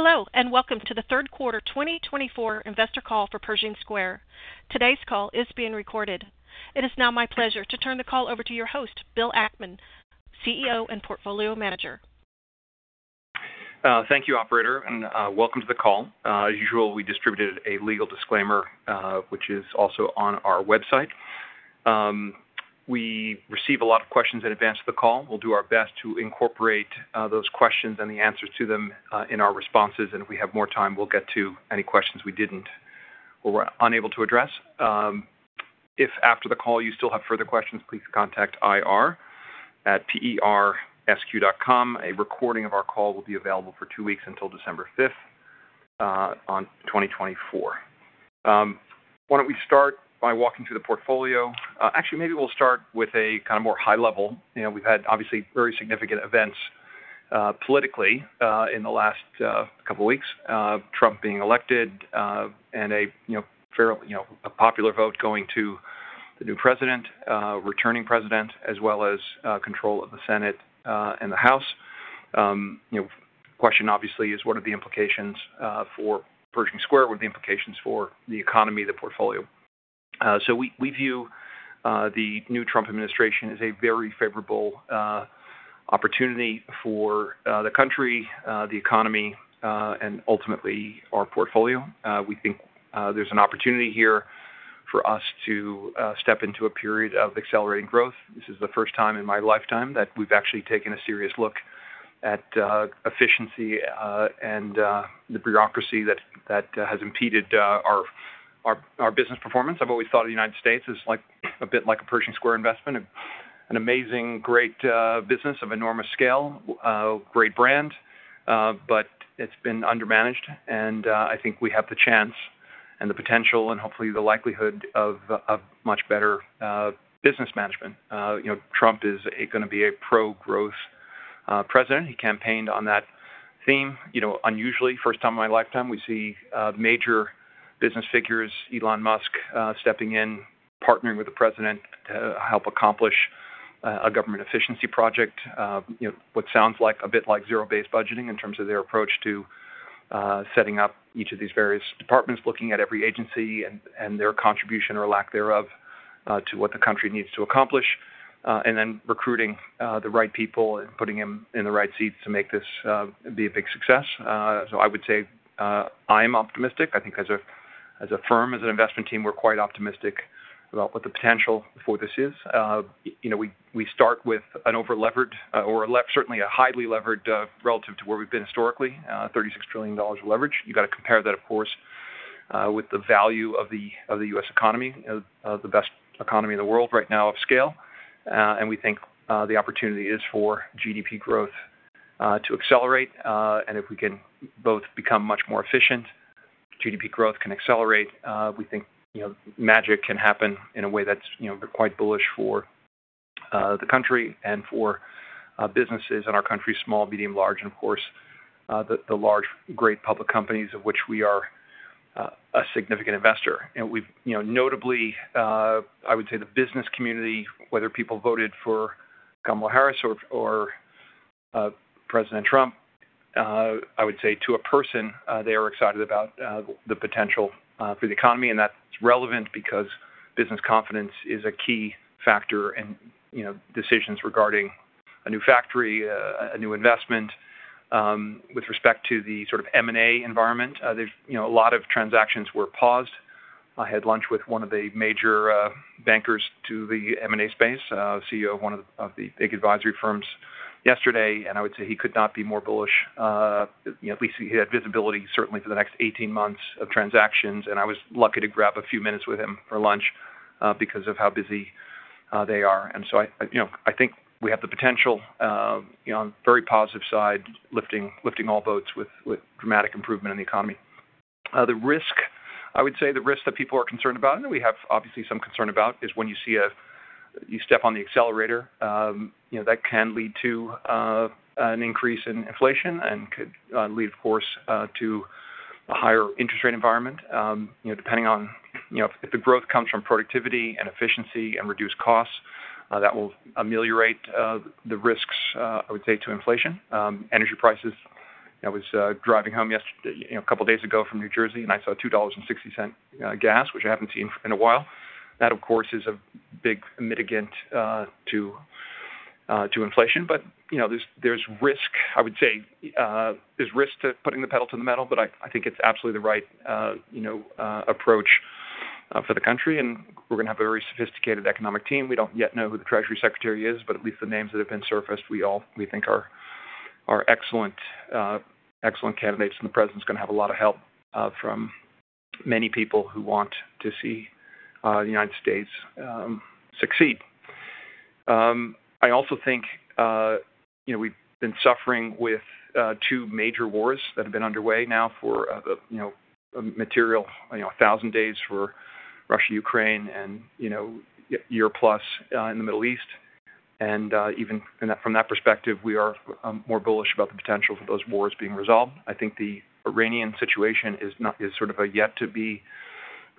Hello, and welcome to the third quarter 2024 investor call for Pershing Square. Today's call is being recorded. It is now my pleasure to turn the call over to your host, Bill Ackman, CEO and Portfolio Manager. Thank you, operator, and welcome to the call. As usual, we distributed a legal disclaimer, which is also on our website. We receive a lot of questions in advance of the call. We'll do our best to incorporate those questions and the answers to them in our responses. And if we have more time, we'll get to any questions we didn't or were unable to address. If after the call you still have further questions, please contact IR@PERSQ.com. A recording of our call will be available for two weeks until December 5th, 2024. Why don't we start by walking through the portfolio? Actually, maybe we'll start with a kind of more high level. We've had, obviously, very significant events politically in the last couple of weeks: Trump being elected and a fairly popular vote going to the new president, returning president, as well as control of the Senate and the House. The question, obviously, is what are the implications for Pershing Square? What are the implications for the economy, the portfolio? So we view the new Trump administration as a very favorable opportunity for the country, the economy, and ultimately our portfolio. We think there's an opportunity here for us to step into a period of accelerating growth. This is the first time in my lifetime that we've actually taken a serious look at efficiency and the bureaucracy that has impeded our business performance. I've always thought the United States is a bit like a Pershing Square investment: an amazing, great business of enormous scale, great brand. But it's been undermanaged, and I think we have the chance and the potential and hopefully the likelihood of much better business management. Trump is going to be a pro-growth president. He campaigned on that theme, unusually. First time in my lifetime, we see major business figures, Elon Musk, stepping in, partnering with the president to help accomplish a government efficiency project, what sounds a bit like zero-based budgeting in terms of their approach to setting up each of these various departments, looking at every agency and their contribution or lack thereof to what the country needs to accomplish, and then recruiting the right people and putting them in the right seats to make this be a big success. So I would say I am optimistic. I think as a firm, as an investment team, we're quite optimistic about what the potential for this is. We start with an over-levered or certainly a highly levered relative to where we've been historically: $36 trillion of leverage. You've got to compare that, of course, with the value of the U.S. economy, the best economy in the world right now of scale. And we think the opportunity is for GDP growth to accelerate. And if we can both become much more efficient, GDP growth can accelerate. We think magic can happen in a way that's quite bullish for the country and for businesses in our country: small, medium, large, and of course, the large, great public companies of which we are a significant investor. And notably, I would say the business community, whether people voted for Kamala Harris or President Trump, I would say to a person, they are excited about the potential for the economy. That's relevant because business confidence is a key factor in decisions regarding a new factory, a new investment. With respect to the sort of M&A environment, a lot of transactions were paused. I had lunch with one of the major bankers to the M&A space, CEO of one of the big advisory firms, yesterday. I was lucky to grab a few minutes with him for lunch because of how busy they are. I think we have the potential on a very positive side, lifting all boats with dramatic improvement in the economy. The risk, I would say the risk that people are concerned about, and we have obviously some concern about, is when you step on the accelerator, that can lead to an increase in inflation and could lead, of course, to a higher interest rate environment. Depending on if the growth comes from productivity and efficiency and reduced costs, that will ameliorate the risks, I would say, to inflation. Energy prices. I was driving home a couple of days ago from New Jersey, and I saw $2.60 gas, which I haven't seen in a while. That, of course, is a big mitigant to inflation. But there's risk, I would say, there's risk to putting the pedal to the metal, but I think it's absolutely the right approach for the country. And we're going to have a very sophisticated economic team. We don't yet know who the Treasury Secretary is, but at least the names that have been surfaced, we think are excellent candidates. And the president's going to have a lot of help from many people who want to see the United States succeed. I also think we've been suffering with two major wars that have been underway now for a material 1,000 days for Russia, Ukraine, and a year-plus in the Middle East. And even from that perspective, we are more bullish about the potential for those wars being resolved. I think the Iranian situation is sort of a yet-to-be-resolved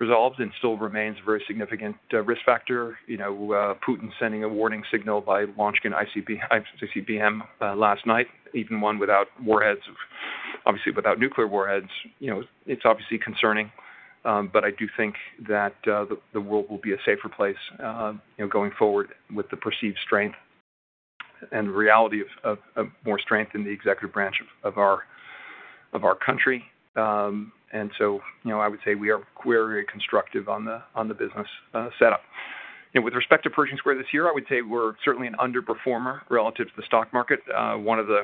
and still remains a very significant risk factor. Putin sending a warning signal by launching an ICBM last night, even one without warheads, obviously without nuclear warheads, it's obviously concerning. But I do think that the world will be a safer place going forward with the perceived strength and the reality of more strength in the executive branch of our country. And so I would say we are very constructive on the business setup. With respect to Pershing Square this year, I would say we're certainly an underperformer relative to the stock market. One of the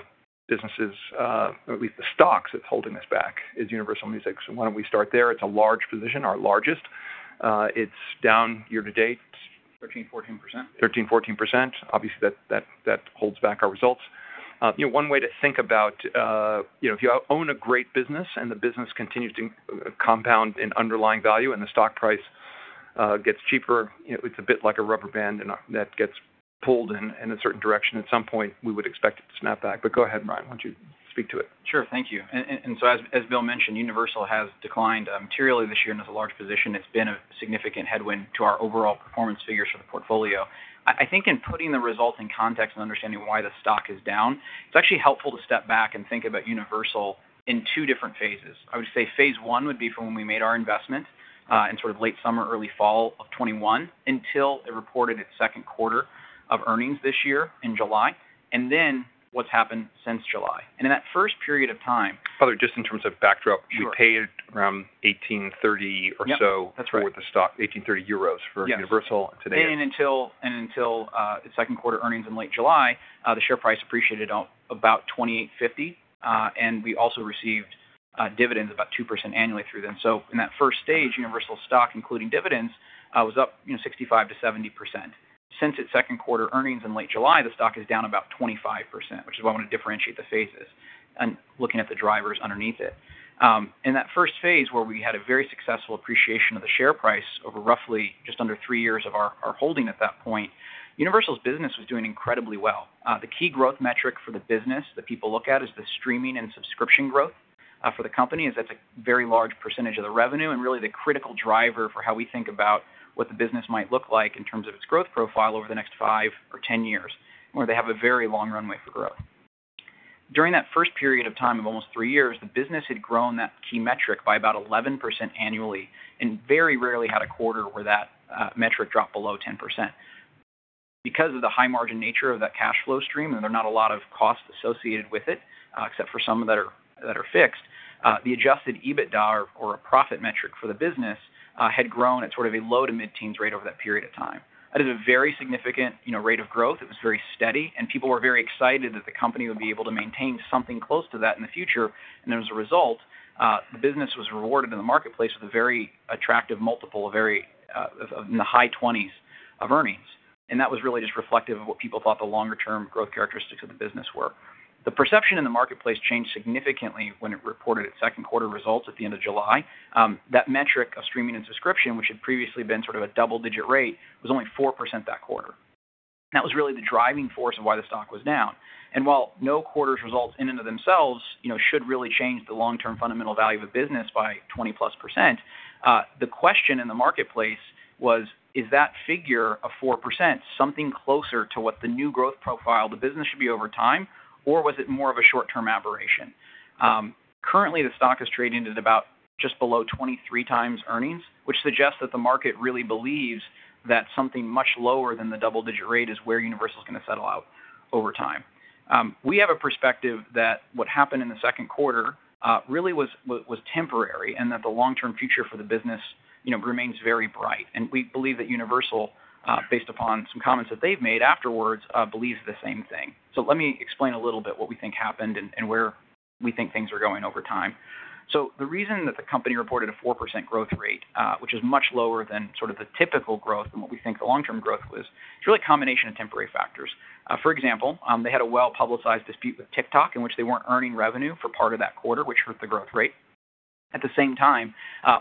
businesses, or at least the stocks that's holding us back, is Universal Music. So why don't we start there? It's a large position, our largest. It's down year-to-date 13%-14%. 13%-14%. Obviously, that holds back our results. One way to think about, if you own a great business and the business continues to compound in underlying value and the stock price gets cheaper, it's a bit like a rubber band that gets pulled in a certain direction. At some point, we would expect it to snap back. But go ahead, Ryan. Why don't you speak to it? Sure. Thank you. And so as Bill mentioned, Universal has declined materially this year and is a large position. It's been a significant headwind to our overall performance figures for the portfolio. I think in putting the result in context and understanding why the stock is down, it's actually helpful to step back and think about Universal in two different phases. I would say phase one would be from when we made our investment in sort of late summer, early fall of 2021 until it reported its second quarter of earnings this year in July, and then what's happened since July. And in that first period of time. Probably just in terms of backdrop, we paid around 18.30 or so for the stock, 18.30 euros for Universal today. Yes. And until its second quarter earnings in late July, the share price appreciated about 28.5%. And we also received dividends about 2% annually through them. So in that first stage, Universal's stock, including dividends, was up 65%-70%. Since its second quarter earnings in late July, the stock is down about 25%, which is why I want to differentiate the phases and looking at the drivers underneath it. In that first phase, where we had a very successful appreciation of the share price over roughly just under three years of our holding at that point, Universal's business was doing incredibly well. The key growth metric for the business that people look at is the streaming and subscription growth for the company, as that's a very large percentage of the revenue and really the critical driver for how we think about what the business might look like in terms of its growth profile over the next five or 10 years, where they have a very long runway for growth. During that first period of time of almost three years, the business had grown that key metric by about 11% annually and very rarely had a quarter where that metric dropped below 10%. Because of the high-margin nature of that cash flow stream, and there are not a lot of costs associated with it, except for some that are fixed, the Adjusted EBITDA or profit metric for the business had grown at sort of a low-to-mid-teens rate over that period of time. That is a very significant rate of growth. It was very steady, and people were very excited that the company would be able to maintain something close to that in the future, and as a result, the business was rewarded in the marketplace with a very attractive multiple in the high 20s of earnings, and that was really just reflective of what people thought the longer-term growth characteristics of the business were. The perception in the marketplace changed significantly when it reported its second quarter results at the end of July. That metric of streaming and subscription, which had previously been sort of a double-digit rate, was only 4% that quarter. That was really the driving force of why the stock was down, and while no quarter's results in and of themselves should really change the long-term fundamental value of a business by 20-plus%, the question in the marketplace was, is that figure of 4% something closer to what the new growth profile of the business should be over time, or was it more of a short-term aberration? Currently, the stock is trading at about just below 23 times earnings, which suggests that the market really believes that something much lower than the double-digit rate is where Universal's going to settle out over time. We have a perspective that what happened in the second quarter really was temporary and that the long-term future for the business remains very bright. We believe that Universal, based upon some comments that they've made afterwards, believes the same thing. Let me explain a little bit what we think happened and where we think things are going over time. The reason that the company reported a 4% growth rate, which is much lower than sort of the typical growth and what we think the long-term growth was, is really a combination of temporary factors. For example, they had a well-publicized dispute with TikTok in which they weren't earning revenue for part of that quarter, which hurt the growth rate. At the same time,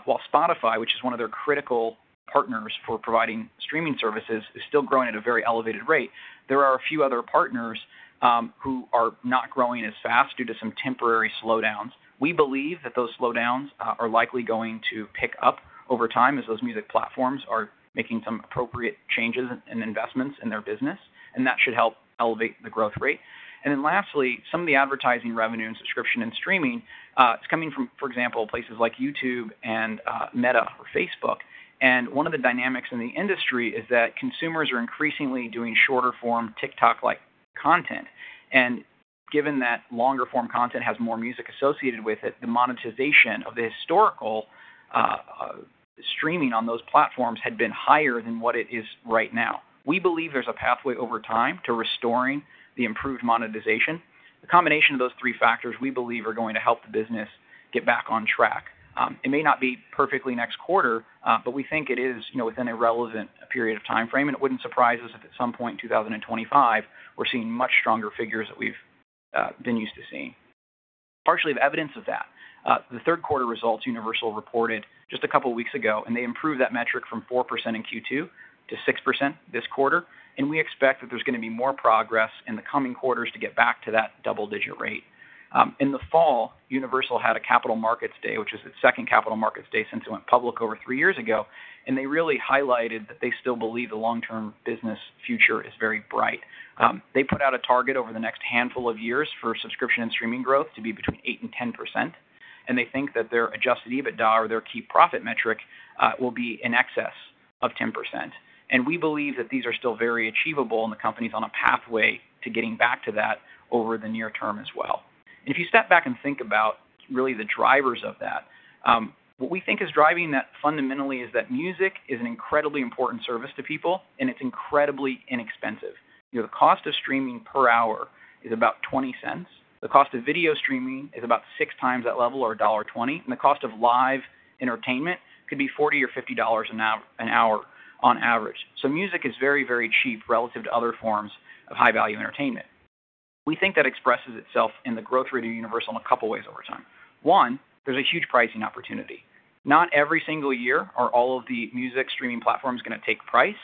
while Spotify, which is one of their critical partners for providing streaming services, is still growing at a very elevated rate, there are a few other partners who are not growing as fast due to some temporary slowdowns. We believe that those slowdowns are likely going to pick up over time as those music platforms are making some appropriate changes and investments in their business, and that should help elevate the growth rate. And then lastly, some of the advertising revenue and subscription and streaming is coming from, for example, places like YouTube and Meta or Facebook. And one of the dynamics in the industry is that consumers are increasingly doing shorter-form TikTok-like content. And given that longer-form content has more music associated with it, the monetization of the historical streaming on those platforms had been higher than what it is right now. We believe there's a pathway over time to restoring the improved monetization. The combination of those three factors, we believe, are going to help the business get back on track. It may not be perfectly next quarter, but we think it is within a relevant period of time frame, and it wouldn't surprise us if at some point in 2025, we're seeing much stronger figures that we've been used to seeing. Partial evidence of that, the third quarter results Universal reported just a couple of weeks ago, and they improved that metric from 4% in Q2 to 6% this quarter. We expect that there's going to be more progress in the coming quarters to get back to that double-digit rate. In the fall, Universal had a capital markets day, which is its second capital markets day since it went public over three years ago, and they really highlighted that they still believe the long-term business future is very bright. They put out a target over the next handful of years for subscription and streaming growth to be between 8% and 10%. And they think that their adjusted EBITDA or their key profit metric will be in excess of 10%. And we believe that these are still very achievable, and the company's on a pathway to getting back to that over the near term as well. And if you step back and think about really the drivers of that, what we think is driving that fundamentally is that music is an incredibly important service to people, and it's incredibly inexpensive. The cost of streaming per hour is about $0.20. The cost of video streaming is about six times that level or $1.20. And the cost of live entertainment could be $40 or $50 an hour on average. So music is very, very cheap relative to other forms of high-value entertainment. We think that expresses itself in the growth rate of Universal in a couple of ways over time. One, there's a huge pricing opportunity. Not every single year are all of the music streaming platforms going to take price.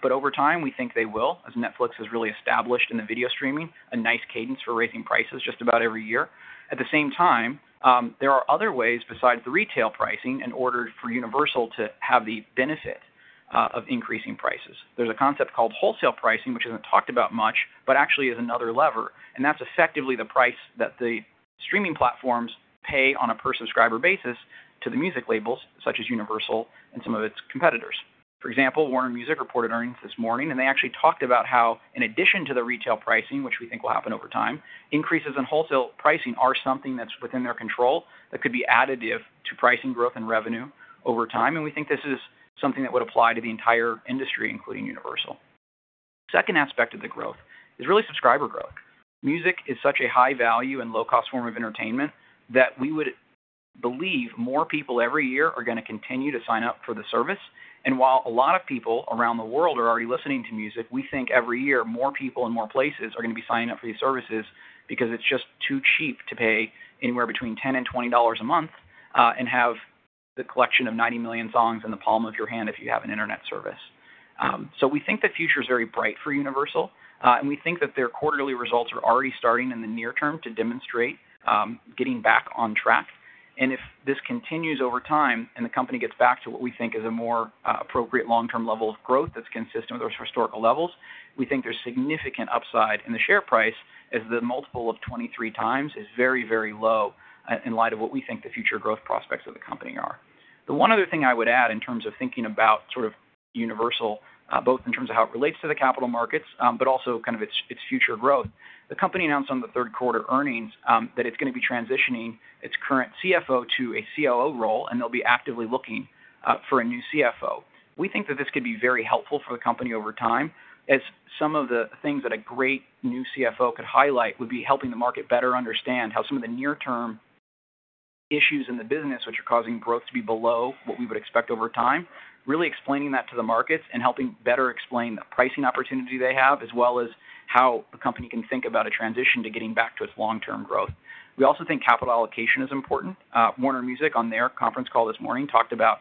But over time, we think they will, as Netflix has really established in the video streaming, a nice cadence for raising prices just about every year. At the same time, there are other ways besides the retail pricing in order for Universal to have the benefit of increasing prices. There's a concept called wholesale pricing, which isn't talked about much, but actually is another lever. And that's effectively the price that the streaming platforms pay on a per-subscriber basis to the music labels, such as Universal and some of its competitors. For example, Warner Music reported earnings this morning, and they actually talked about how, in addition to the retail pricing, which we think will happen over time, increases in wholesale pricing are something that's within their control that could be additive to pricing growth and revenue over time, and we think this is something that would apply to the entire industry, including Universal. Second aspect of the growth is really subscriber growth. Music is such a high-value and low-cost form of entertainment that we would believe more people every year are going to continue to sign up for the service. While a lot of people around the world are already listening to music, we think every year more people in more places are going to be signing up for these services because it's just too cheap to pay anywhere between $10 and $20 a month and have the collection of 90 million songs in the palm of your hand if you have an internet service. So we think the future is very bright for Universal. And we think that their quarterly results are already starting in the near term to demonstrate getting back on track. If this continues over time and the company gets back to what we think is a more appropriate long-term level of growth that's consistent with those historical levels, we think there's significant upside in the share price as the multiple of 23 times is very, very low in light of what we think the future growth prospects of the company are. The one other thing I would add in terms of thinking about sort of Universal, both in terms of how it relates to the capital markets, but also kind of its future growth, the company announced on the third quarter earnings that it's going to be transitioning its current CFO to a COO role, and they'll be actively looking for a new CFO. We think that this could be very helpful for the company over time, as some of the things that a great new CFO could highlight would be helping the market better understand how some of the near-term issues in the business, which are causing growth to be below what we would expect over time, really explaining that to the markets and helping better explain the pricing opportunity they have, as well as how the company can think about a transition to getting back to its long-term growth. We also think capital allocation is important. Warner Music, on their conference call this morning, talked about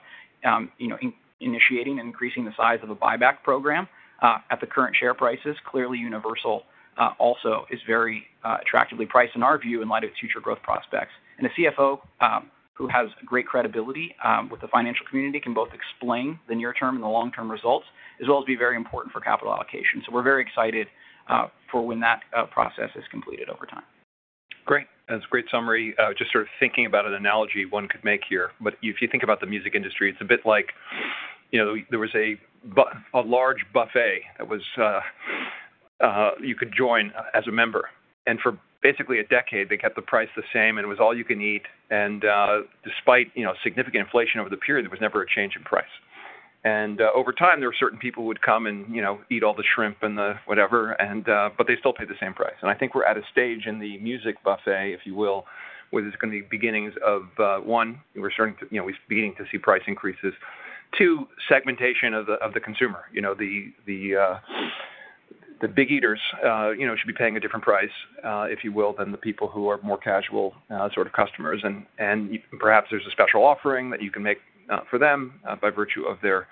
initiating and increasing the size of a buyback program at the current share prices. Clearly, Universal also is very attractively priced, in our view, in light of its future growth prospects. And a CFO who has great credibility with the financial community can both explain the near-term and the long-term results, as well as be very important for capital allocation. So we're very excited for when that process is completed over time. Great. That's a great summary. Just sort of thinking about an analogy one could make here. But if you think about the music industry, it's a bit like there was a large buffet that you could join as a member. And for basically a decade, they kept the price the same, and it was all you could eat. And despite significant inflation over the period, there was never a change in price. And over time, there were certain people who would come and eat all the shrimp and the whatever, but they still paid the same price. And I think we're at a stage in the music buffet, if you will, where it's going to be beginnings of, one, we're beginning to see price increases. Two, segmentation of the consumer. The big eaters should be paying a different price, if you will, than the people who are more casual sort of customers. And perhaps there's a special offering that you can make for them by virtue of their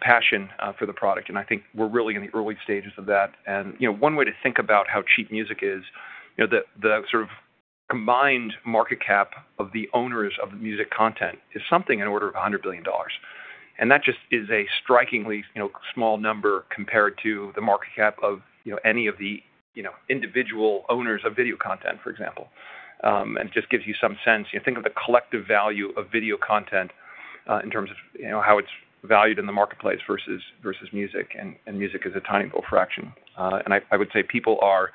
passion for the product. And I think we're really in the early stages of that. And one way to think about how cheap music is, the sort of combined market cap of the owners of the music content is something in order of $100 billion. And that just is a strikingly small number compared to the market cap of any of the individual owners of video content, for example. And it just gives you some sense. Think of the collective value of video content in terms of how it's valued in the marketplace versus music, and music is a tiny little fraction. And I would say people are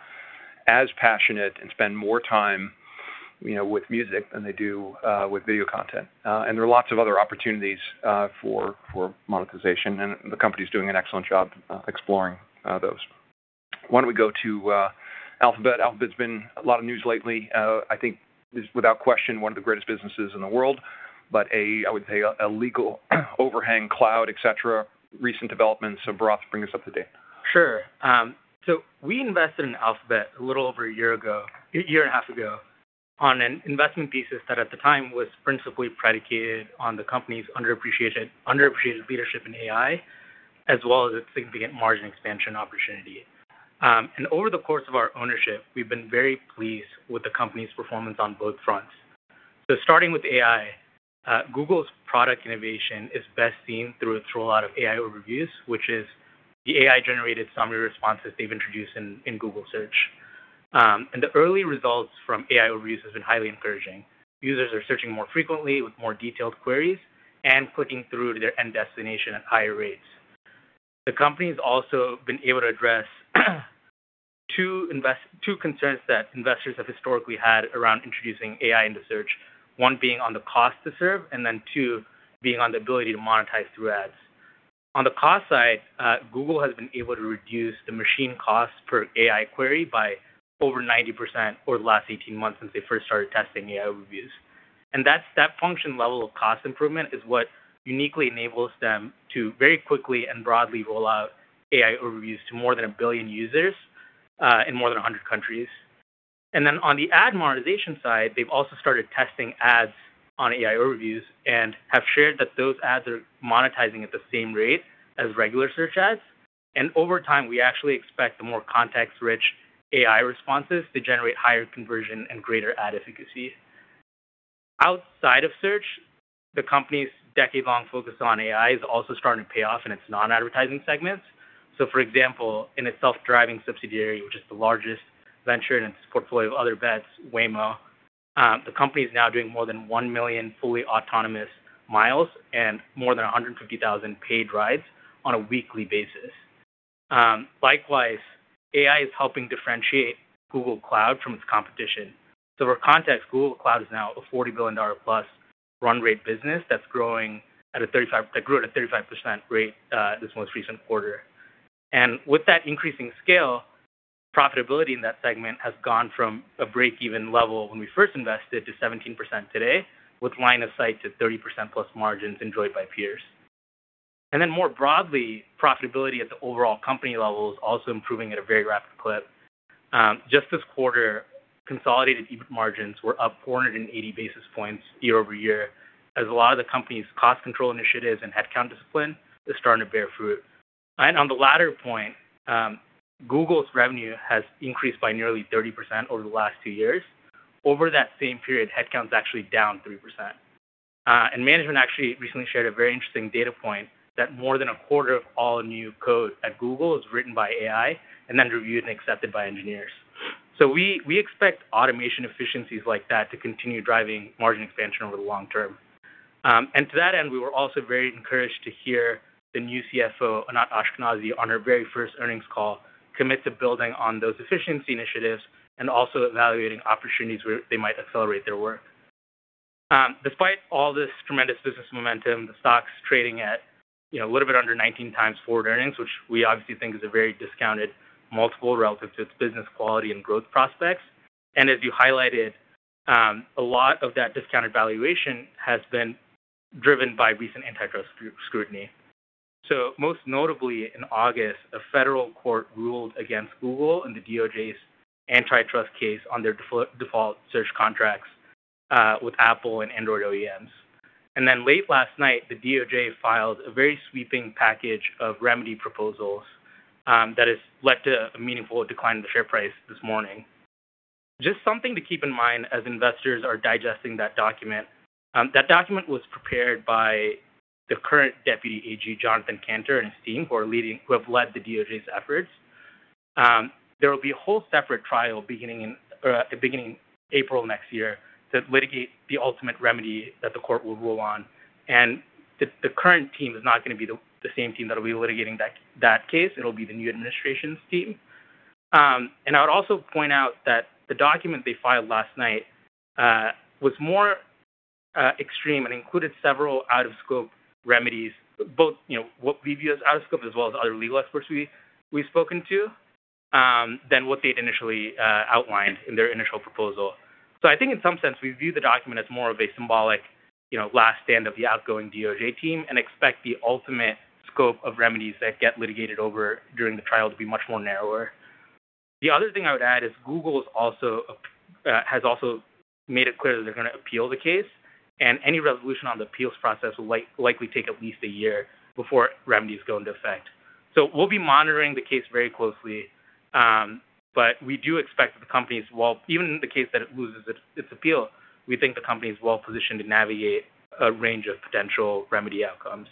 as passionate and spend more time with music than they do with video content. And there are lots of other opportunities for monetization, and the company's doing an excellent job exploring those. Why don't we go to Alphabet? Alphabet's been a lot of news lately. I think it's, without question, one of the greatest businesses in the world, but I would say a legal overhang cloud, et cetera. Recent developments, so Bharath to bring us up to date. Sure. So we invested in Alphabet a little over a year ago, a year and a half ago, on an investment thesis that at the time was principally predicated on the company's underappreciated leadership in AI, as well as its significant margin expansion opportunity. And over the course of our ownership, we've been very pleased with the company's performance on both fronts. So starting with AI, Google's product innovation is best seen through the rollout of AI Overviews, which is the AI-generated summary responses they've introduced in Google Search. And the early results from AI Overviews have been highly encouraging. Users are searching more frequently with more detailed queries and clicking through to their end destination at higher rates. The company has also been able to address two concerns that investors have historically had around introducing AI into Search, one being on the cost to serve, and then two being on the ability to monetize through ads. On the cost side, Google has been able to reduce the machine cost per AI query by over 90% over the last 18 months since they first started testing AI Overviews. And that function level of cost improvement is what uniquely enables them to very quickly and broadly roll out AI Overviews to more than a billion users in more than 100 countries. And then on the ad monetization side, they've also started testing ads on AI Overviews and have shared that those ads are monetizing at the same rate as regular Search ads. And over time, we actually expect the more context-rich AI responses to generate higher conversion and greater ad efficacy. Outside of Search, the company's decade-long focus on AI is also starting to pay off in its non-advertising segments. So for example, in its self-driving subsidiary, which is the largest venture in its portfolio of other bets, Waymo, the company is now doing more than 1 million fully autonomous miles and more than 150,000 paid rides on a weekly basis. Likewise, AI is helping differentiate Google Cloud from its competition. So for context, Google Cloud is now a $40+ billion run rate business that grew at a 35% rate this most recent quarter. And with that increasing scale, profitability in that segment has gone from a break-even level when we first invested to 17% today, with line of sight to 30%+ margins enjoyed by peers. Then more broadly, profitability at the overall company level is also improving at a very rapid clip. Just this quarter, consolidated EBIT margins were up 480 basis points year-over-year as a lot of the company's cost control initiatives and headcount discipline are starting to bear fruit. On the latter point, Google's revenue has increased by nearly 30% over the last two years. Over that same period, headcount's actually down 3%. Management actually recently shared a very interesting data point that more than a quarter of all new code at Google is written by AI and then reviewed and accepted by engineers. We expect automation efficiencies like that to continue driving margin expansion over the long term. To that end, we were also very encouraged to hear the new CFO, Anat Ashkenazi, on her very first earnings call commit to building on those efficiency initiatives and also evaluating opportunities where they might accelerate their work. Despite all this tremendous business momentum, the stock's trading at a little bit under 19x forward earnings, which we obviously think is a very discounted multiple relative to its business quality and growth prospects. And as you highlighted, a lot of that discounted valuation has been driven by recent antitrust scrutiny. So most notably, in August, a federal court ruled against Google in the DOJ's antitrust case on their default search contracts with Apple and Android OEMs. And then late last night, the DOJ filed a very sweeping package of remedy proposals that has led to a meaningful decline in the share price this morning. Just something to keep in mind as investors are digesting that document. That document was prepared by the current deputy AG, Jonathan Kanter, and his team, who have led the DOJ's efforts. There will be a whole separate trial beginning April next year to litigate the ultimate remedy that the court will rule on, and the current team is not going to be the same team that will be litigating that case. It'll be the new administration's team, and I would also point out that the document they filed last night was more extreme and included several out-of-scope remedies, both what we view as out-of-scope as well as other legal experts we've spoken to, than what they'd initially outlined in their initial proposal. So I think in some sense, we view the document as more of a symbolic last stand of the outgoing DOJ team and expect the ultimate scope of remedies that get litigated over during the trial to be much more narrower. The other thing I would add is Google has also made it clear that they're going to appeal the case, and any resolution on the appeals process will likely take at least a year before remedies go into effect. So we'll be monitoring the case very closely, but we do expect that the companies, even in the case that it loses its appeal, we think the company is well-positioned to navigate a range of potential remedy outcomes.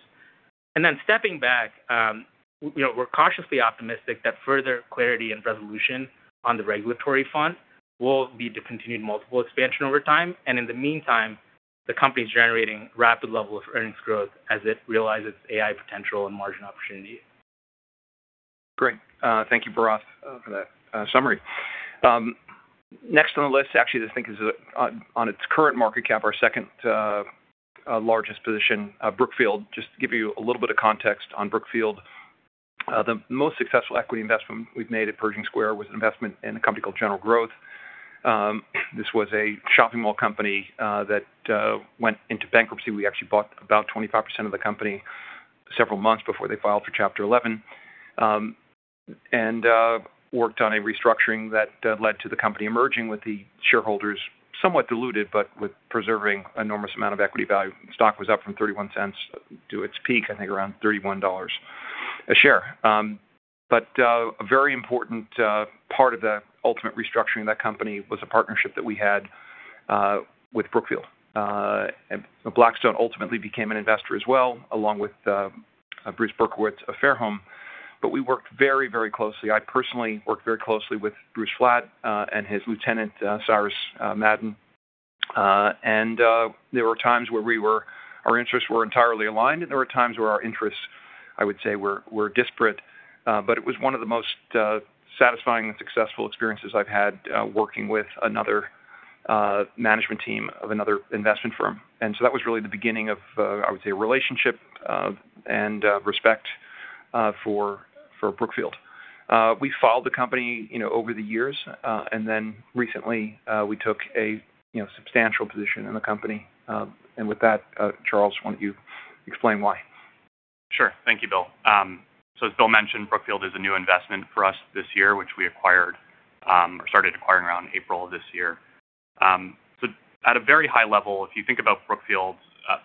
And then stepping back, we're cautiously optimistic that further clarity and resolution on the regulatory front will lead to continued multiple expansion over time. In the meantime, the company's generating rapid level of earnings growth as it realizes AI potential and margin opportunity. Great. Thank you, Bharath, for that summary. Next on the list, actually, I think is on its current market cap, our second largest position, Brookfield. Just to give you a little bit of context on Brookfield, the most successful equity investment we've made at Pershing Square was an investment in a company called General Growth. This was a shopping mall company that went into bankruptcy. We actually bought about 25% of the company several months before they filed for Chapter 11 and worked on a restructuring that led to the company emerging with the shareholders somewhat diluted, but with preserving an enormous amount of equity value. Stock was up from $0.31 to its peak, I think around $31 a share. But a very important part of the ultimate restructuring of that company was a partnership that we had with Brookfield. Blackstone ultimately became an investor as well, along with Bruce Berkowitz of Fairholme, but we worked very, very closely. I personally worked very closely with Bruce Flatt and his lieutenant, Cyrus Madon, and there were times where our interests were entirely aligned, and there were times where our interests, I would say, were disparate. But it was one of the most satisfying and successful experiences I've had working with another management team of another investment firm, and so that was really the beginning of, I would say, a relationship and respect for Brookfield. We've followed the company over the years, and then recently, we took a substantial position in the company. And with that, Charles, why don't you explain why? Sure. Thank you, Bill. So as Bill mentioned, Brookfield is a new investment for us this year, which we acquired or started acquiring around April of this year. So at a very high level, if you think about Brookfield,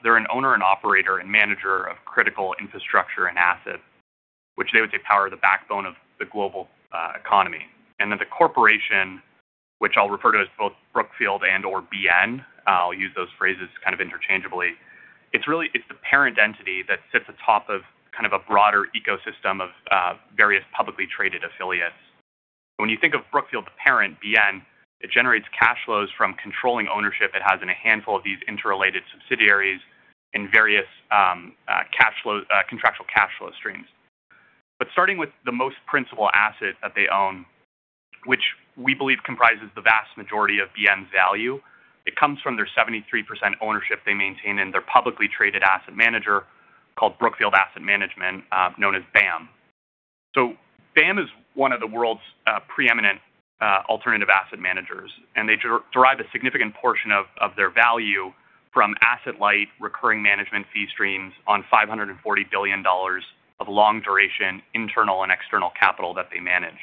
they're an owner and operator and manager of critical infrastructure and assets, which they would say power the backbone of the global economy. And then the corporation, which I'll refer to as both Brookfield and/or BN, I'll use those phrases kind of interchangeably, it's the parent entity that sits atop of kind of a broader ecosystem of various publicly traded affiliates. When you think of Brookfield, the parent, BN, it generates cash flows from controlling ownership it has in a handful of these interrelated subsidiaries in various contractual cash flow streams. But starting with the most principal asset that they own, which we believe comprises the vast majority of BN's value, it comes from their 73% ownership they maintain in their publicly traded asset manager called Brookfield Asset Management, known as BAM. So BAM is one of the world's preeminent alternative asset managers, and they derive a significant portion of their value from asset-light recurring management fee streams on $540 billion of long-duration internal and external capital that they manage.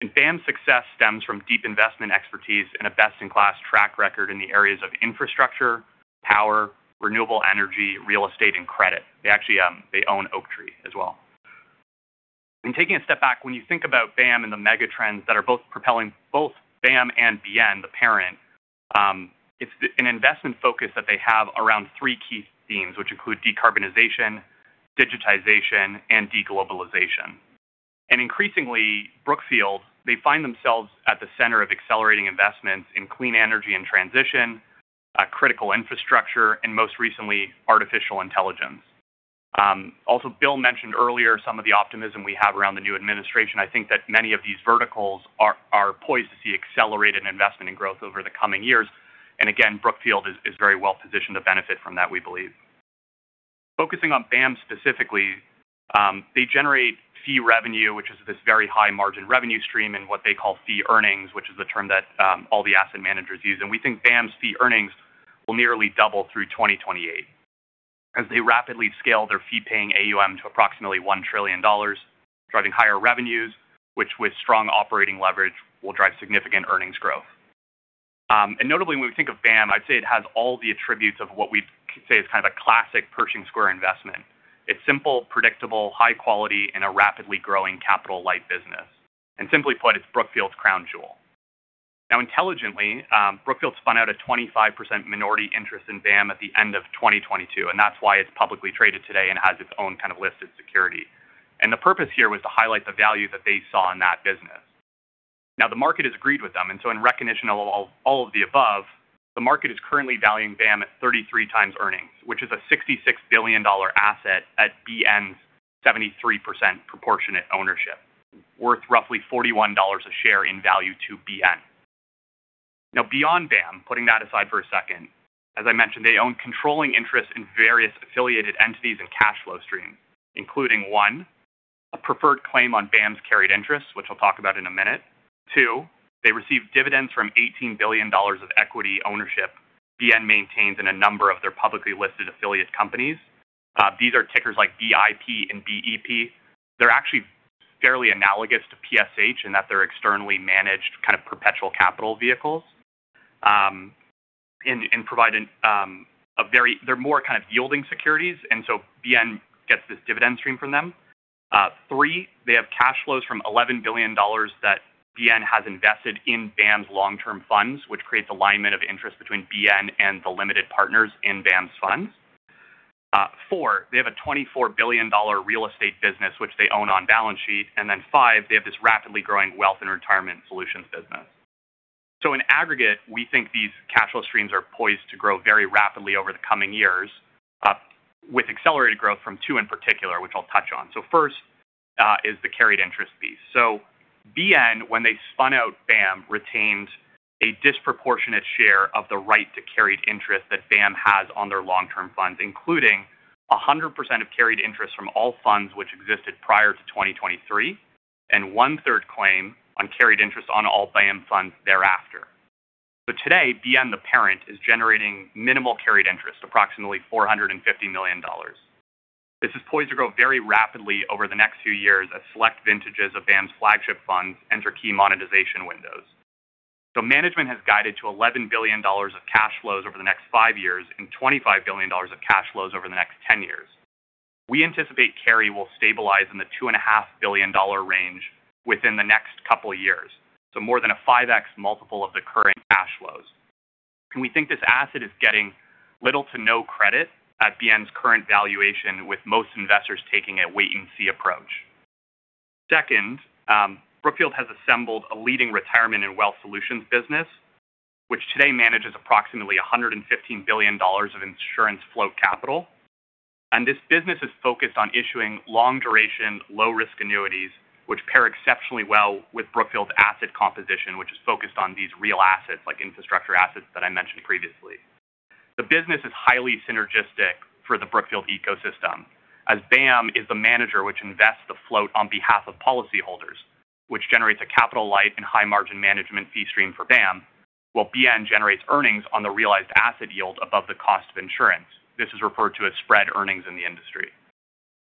And BAM's success stems from deep investment expertise and a best-in-class track record in the areas of infrastructure, power, renewable energy, real estate, and credit. They actually own Oaktree as well. And taking a step back, when you think about BAM and the megatrends that are both propelling both BAM and BN, the parent, it's an investment focus that they have around three key themes, which include decarbonization, digitization, and deglobalization. And increasingly, Brookfield, they find themselves at the center of accelerating investments in clean energy and transition, critical infrastructure, and most recently, artificial intelligence. Also, Bill mentioned earlier some of the optimism we have around the new administration. I think that many of these verticals are poised to see accelerated investment and growth over the coming years. And again, Brookfield is very well-positioned to benefit from that, we believe. Focusing on BAM specifically, they generate fee revenue, which is this very high-margin revenue stream in what they call fee earnings, which is the term that all the asset managers use. And we think BAM's fee earnings will nearly double through 2028 as they rapidly scale their fee-paying AUM to approximately $1 trillion, driving higher revenues, which with strong operating leverage will drive significant earnings growth. And notably, when we think of BAM, I'd say it has all the attributes of what we'd say is kind of a classic Pershing Square investment. It's simple, predictable, high-quality, and a rapidly growing capital-light business. And simply put, it's Brookfield's crown jewel. Now, intelligently, Brookfield spun out a 25% minority interest in BAM at the end of 2022, and that's why it's publicly traded today and has its own kind of listed security. And the purpose here was to highlight the value that they saw in that business. Now, the market has agreed with them. And so in recognition of all of the above, the market is currently valuing BAM at 33x earnings, which is a $66 billion asset at BN's 73% proportionate ownership, worth roughly $41 a share in value to BN. Now, beyond BAM, putting that aside for a second, as I mentioned, they own controlling interests in various affiliated entities and cash flow streams, including one, a preferred claim on BAM's carried interests, which I'll talk about in a minute. Two, they receive dividends from $18 billion of equity ownership BN maintains in a number of their publicly listed affiliate companies. These are tickers like BIP and BEP. They're actually fairly analogous to PSH in that they're externally managed kind of perpetual capital vehicles and provide a very, they're more kind of yielding securities, and so BN gets this dividend stream from them. Three, they have cash flows from $11 billion that BN has invested in BAM's long-term funds, which creates alignment of interest between BN and the limited partners in BAM's funds. Four, they have a $24 billion real estate business, which they own on balance sheet. And then five, they have this rapidly growing wealth and retirement solutions business. So in aggregate, we think these cash flow streams are poised to grow very rapidly over the coming years with accelerated growth from two in particular, which I'll touch on. So first is the carried interest piece. So BN, when they spun out BAM, retained a disproportionate share of the right to carried interest that BAM has on their long-term funds, including 100% of carried interest from all funds which existed prior to 2023 and 1/3 claim on carried interest on all BAM funds thereafter. So today, BN, the parent, is generating minimal carried interest, approximately $450 million. This is poised to grow very rapidly over the next few years as select vintages of BAM's flagship funds enter key monetization windows. Management has guided to $11 billion of cash flows over the next five years and $25 billion of cash flows over the next 10 years. We anticipate carry will stabilize in the $2.5 billion range within the next couple of years, so more than a 5x multiple of the current cash flows. We think this asset is getting little to no credit at BN's current valuation, with most investors taking a wait-and-see approach. Second, Brookfield has assembled a leading retirement and wealth solutions business, which today manages approximately $115 billion of insurance float capital. This business is focused on issuing long-duration, low-risk annuities, which pair exceptionally well with Brookfield's asset composition, which is focused on these real assets like infrastructure assets that I mentioned previously. The business is highly synergistic for the Brookfield ecosystem as BAM is the manager which invests the float on behalf of policyholders, which generates a capital-light and high-margin management fee stream for BAM, while BN generates earnings on the realized asset yield above the cost of insurance. This is referred to as spread earnings in the industry.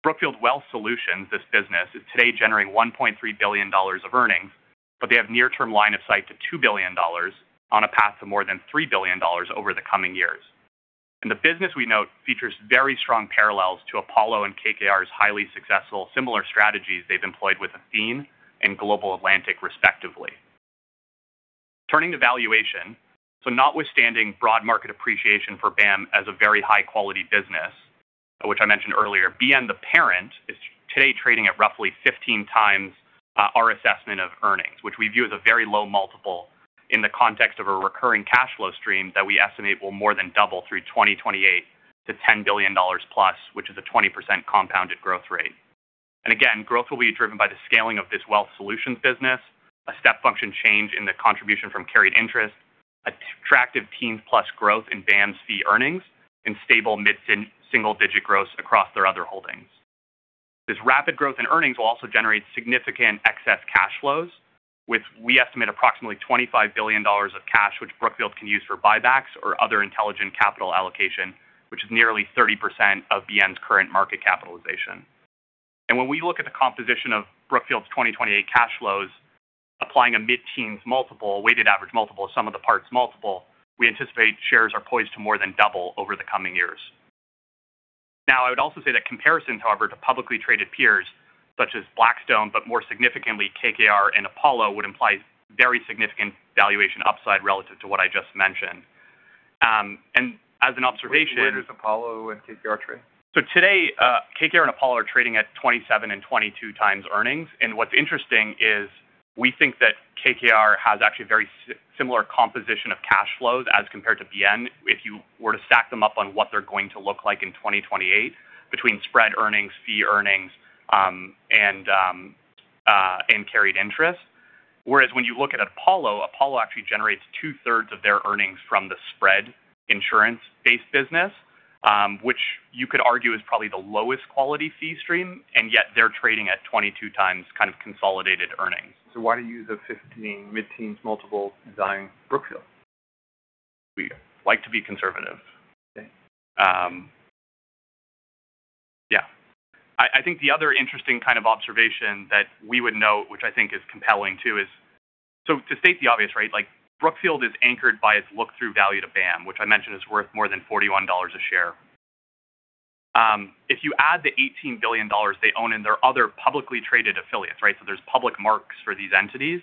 Brookfield Wealth Solutions, this business, is today generating $1.3 billion of earnings, but they have near-term line of sight to $2 billion on a path to more than $3 billion over the coming years. And the business, we note, features very strong parallels to Apollo and KKR's highly successful similar strategies they've employed with Athene and Global Atlantic, respectively. Turning to valuation, so notwithstanding broad market appreciation for BAM as a very high-quality business, which I mentioned earlier, BN, the parent, is today trading at roughly 15x our assessment of earnings, which we view as a very low multiple in the context of a recurring cash flow stream that we estimate will more than double through 2028 to $10+ billion, which is a 20% compounded growth rate, and again, growth will be driven by the scaling of this wealth solutions business, a step function change in the contribution from carried interest, attractive teens-plus growth in BAM's fee earnings, and stable mid-single-digit growth across their other holdings. This rapid growth in earnings will also generate significant excess cash flows, which we estimate approximately $25 billion of cash, which Brookfield can use for buybacks or other intelligent capital allocation, which is nearly 30% of BN's current market capitalization. When we look at the composition of Brookfield's 2028 cash flows, applying a mid-teens multiple, a weighted average multiple, sum-of-the-parts multiple, we anticipate shares are poised to more than double over the coming years. Now, I would also say that comparisons, however, to publicly traded peers such as Blackstone, but more significantly KKR and Apollo would imply very significant valuation upside relative to what I just mentioned. And as an observation. Where does Apollo and KKR trade? So today, KKR and Apollo are trading at 27x and 22x earnings. And what's interesting is we think that KKR has actually a very similar composition of cash flows as compared to BN. If you were to stack them up on what they're going to look like in 2028 between spread earnings, fee earnings, and carried interest. Whereas when you look at Apollo, Apollo actually generates 2/3 of their earnings from the spread insurance-based business, which you could argue is probably the lowest quality fee stream, and yet they're trading at 22x kind of consolidated earnings. So why do you use a 15 mid-teens multiple in buying Brookfield? We like to be conservative. Yeah. I think the other interesting kind of observation that we would note, which I think is compelling too, is so to state the obvious, right? Brookfield is anchored by its look-through value to BAM, which I mentioned is worth more than $41 a share. If you add the $18 billion they own in their other publicly traded affiliates, right? So there's public marks for these entities.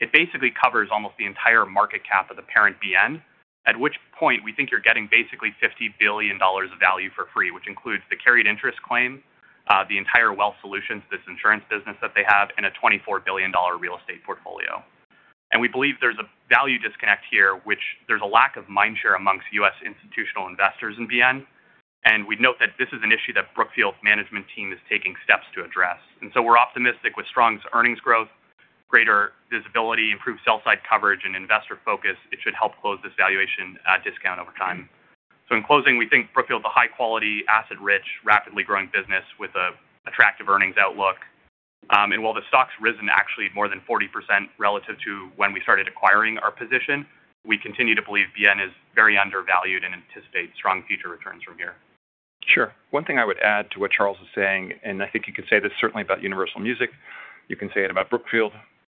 It basically covers almost the entire market cap of the parent BN, at which point we think you're getting basically $50 billion of value for free, which includes the carried interest claim, the entire Wealth Solutions, this insurance business that they have, and a $24 billion real estate portfolio, and we believe there's a value disconnect here, which there's a lack of mind share amongst U.S. institutional investors in BN. We note that this is an issue that Brookfield's management team is taking steps to address. So we're optimistic with strong earnings growth, greater visibility, improved sell-side coverage, and investor focus. It should help close this valuation discount over time. In closing, we think Brookfield is a high-quality, asset-rich, rapidly growing business with an attractive earnings outlook. While the stock's risen actually more than 40% relative to when we started acquiring our position, we continue to believe BN is very undervalued and anticipate strong future returns from here. Sure. One thing I would add to what Charles is saying, and I think you can say this certainly about Universal Music, you can say it about Brookfield,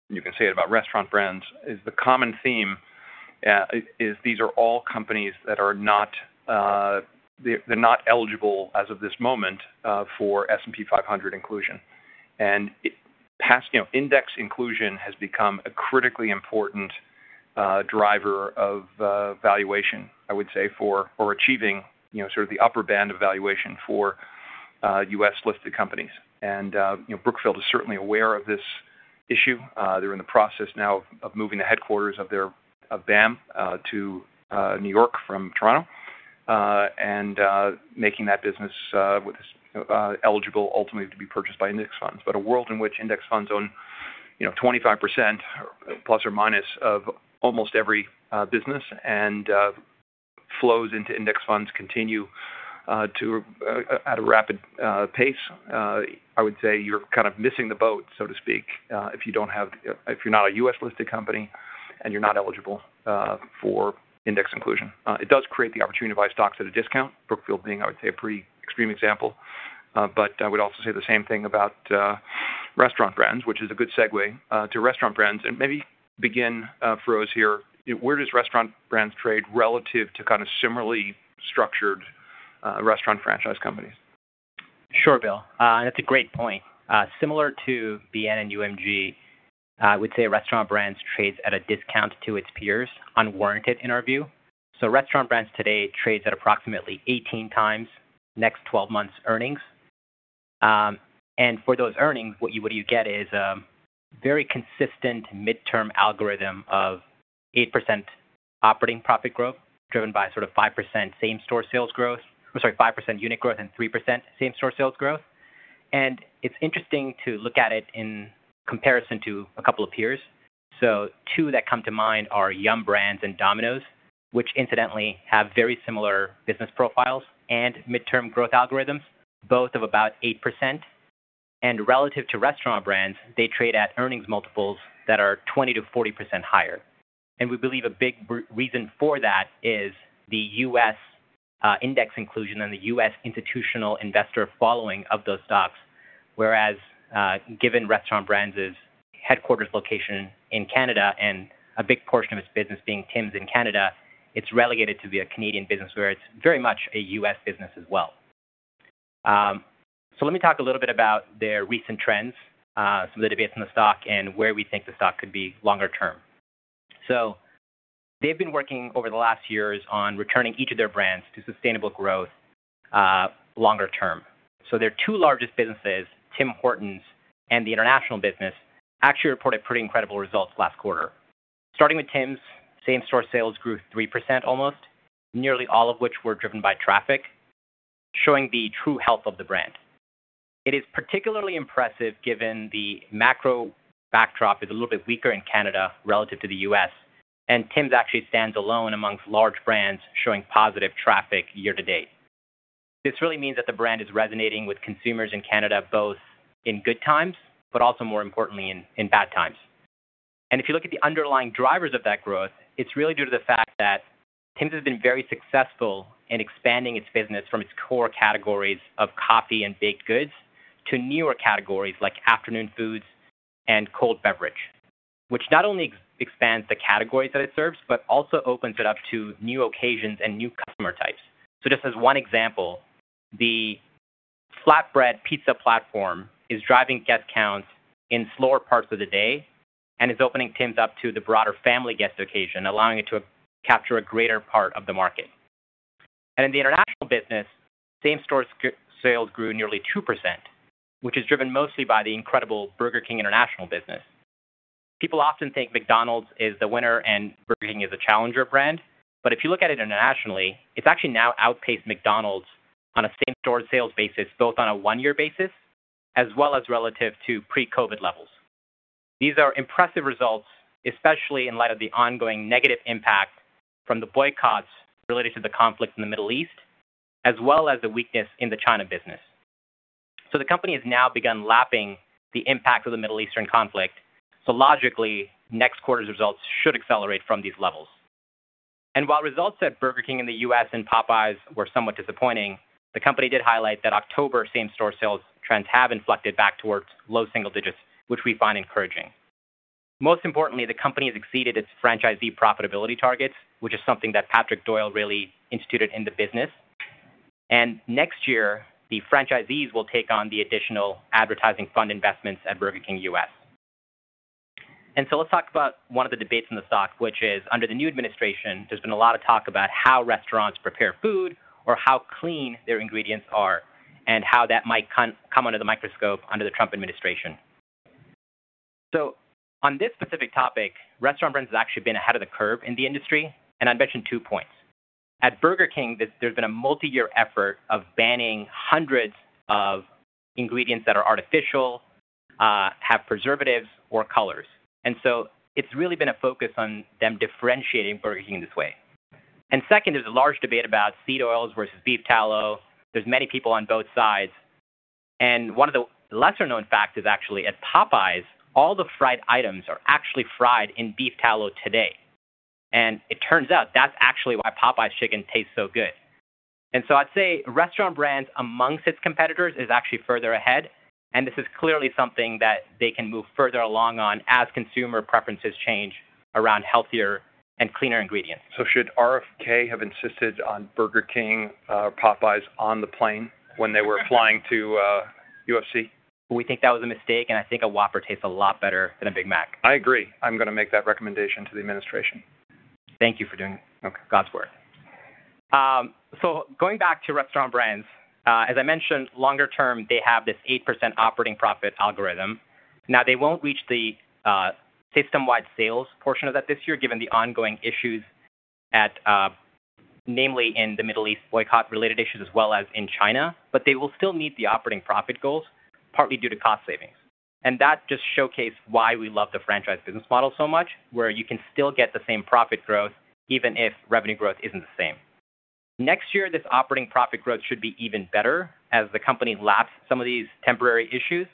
you can say it about Restaurant Brands, is the common theme is these are all companies that are not, they're not eligible as of this moment for S&P 500 inclusion. And index inclusion has become a critically important driver of valuation, I would say, for or achieving sort of the upper band of valuation for U.S.-listed companies. And Brookfield is certainly aware of this issue. They're in the process now of moving the headquarters of BAM to New York from Toronto and making that business eligible ultimately to be purchased by index funds. But a world in which index funds own 25% plus or minus of almost every business and flows into index funds continue at a rapid pace, I would say you're kind of missing the boat, so to speak, if you don't have if you're not a U.S.-listed company and you're not eligible for index inclusion. It does create the opportunity to buy stocks at a discount, Brookfield being, I would say, a pretty extreme example. But I would also say the same thing about Restaurant Brands, which is a good segue to Restaurant Brands. And maybe begin, Feroz, here, where does Restaurant Brands trade relative to kind of similarly structured restaurant franchise companies? Sure, Bill. And that's a great point. Similar to BN and UMG, I would say Restaurant Brands trades at a discount to its peers, unwarranted in our view. So Restaurant Brands today trades at approximately 18x next 12 months' earnings. And for those earnings, what you get is a very consistent midterm algorithm of 8% operating profit growth driven by sort of 5% same-store sales growth or sorry, 5% unit growth and 3% same-store sales growth. And it's interesting to look at it in comparison to a couple of peers. So two that come to mind are Yum! Brands and Domino's, which incidentally have very similar business profiles and midterm growth algorithms, both of about 8%. And relative to Restaurant Brands, they trade at earnings multiples that are 20%-40% higher. We believe a big reason for that is the U.S. index inclusion and the U.S. institutional investor following of those stocks. Whereas given Restaurant Brands' headquarters location in Canada and a big portion of its business being Tims in Canada, it's relegated to be a Canadian business where it's very much a U.S. business as well. Let me talk a little bit about their recent trends, some of the debates in the stock, and where we think the stock could be longer term. They've been working over the last years on returning each of their brands to sustainable growth longer term. Their two largest businesses, Tim Hortons and the international business, actually reported pretty incredible results last quarter. Starting with Tims, same-store sales grew 3% almost, nearly all of which were driven by traffic, showing the true health of the brand. It is particularly impressive given the macro backdrop is a little bit weaker in Canada relative to the U.S., and Tims actually stands alone amongst large brands showing positive traffic year to date. This really means that the brand is resonating with consumers in Canada both in good times, but also more importantly in bad times, and if you look at the underlying drivers of that growth, it's really due to the fact that Tims has been very successful in expanding its business from its core categories of coffee and baked goods to newer categories like afternoon foods and cold beverage, which not only expands the categories that it serves, but also opens it up to new occasions and new customer types. So just as one example, the flatbread pizza platform is driving guest counts in slower parts of the day and is opening Tim Hortons up to the broader family guest occasion, allowing it to capture a greater part of the market. And in the international business, same-store sales grew nearly 2%, which is driven mostly by the incredible Burger King international business. People often think McDonald's is the winner and Burger King is a challenger brand, but if you look at it internationally, it's actually now outpaced McDonald's on a same-store sales basis both on a one-year basis as well as relative to pre-COVID levels. These are impressive results, especially in light of the ongoing negative impact from the boycotts related to the conflict in the Middle East, as well as the weakness in the China business. So the company has now begun lapping the impact of the Middle Eastern conflict. So logically, next quarter's results should accelerate from these levels. And while results at Burger King in the U.S. and Popeyes were somewhat disappointing, the company did highlight that October same-store sales trends have inflected back towards low single digits, which we find encouraging. Most importantly, the company has exceeded its franchisee profitability targets, which is something that Patrick Doyle really instituted in the business. And next year, the franchisees will take on the additional advertising fund investments at Burger King U.S. And so let's talk about one of the debates in the stock, which is under the new administration, there's been a lot of talk about how restaurants prepare food or how clean their ingredients are and how that might come under the microscope under the Trump administration. On this specific topic, Restaurant Brands has actually been ahead of the curve in the industry, and I mentioned two points. At Burger King, there's been a multi-year effort of banning hundreds of ingredients that are artificial, have preservatives, or colors. And so it's really been a focus on them differentiating Burger King in this way. And second, there's a large debate about seed oils versus beef tallow. There's many people on both sides. And one of the lesser-known facts is actually at Popeyes, all the fried items are actually fried in beef tallow today. And it turns out that's actually why Popeyes chicken tastes so good. And so I'd say Restaurant Brands amongst its competitors is actually further ahead, and this is clearly something that they can move further along on as consumer preferences change around healthier and cleaner ingredients. So should RFK have insisted on Burger King or Popeyes on the plane when they were flying to UFC? We think that was a mistake, and I think a Whopper tastes a lot better than a Big Mac. I agree. I'm going to make that recommendation to the administration. Thank you for doing God's work, so going back to Restaurant Brands, as I mentioned, longer term, they have this 8% operating profit algorithm. Now, they won't reach the system-wide sales portion of that this year given the ongoing issues, namely in the Middle East boycott-related issues as well as in China, but they will still meet the operating profit goals, partly due to cost savings, and that just showcased why we love the franchise business model so much, where you can still get the same profit growth even if revenue growth isn't the same. Next year, this operating profit growth should be even better as the company laps some of these temporary issues,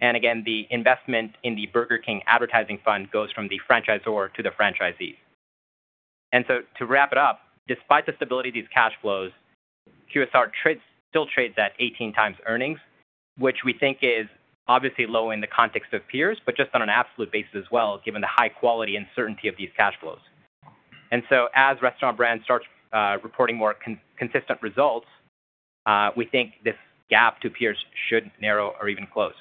and again, the investment in the Burger King advertising fund goes from the franchisor to the franchisees. And so to wrap it up, despite the stability of these cash flows, QSR still trades at 18x earnings, which we think is obviously low in the context of peers, but just on an absolute basis as well, given the high quality and certainty of these cash flows. And so as Restaurant Brands starts reporting more consistent results, we think this gap to peers should narrow or even close.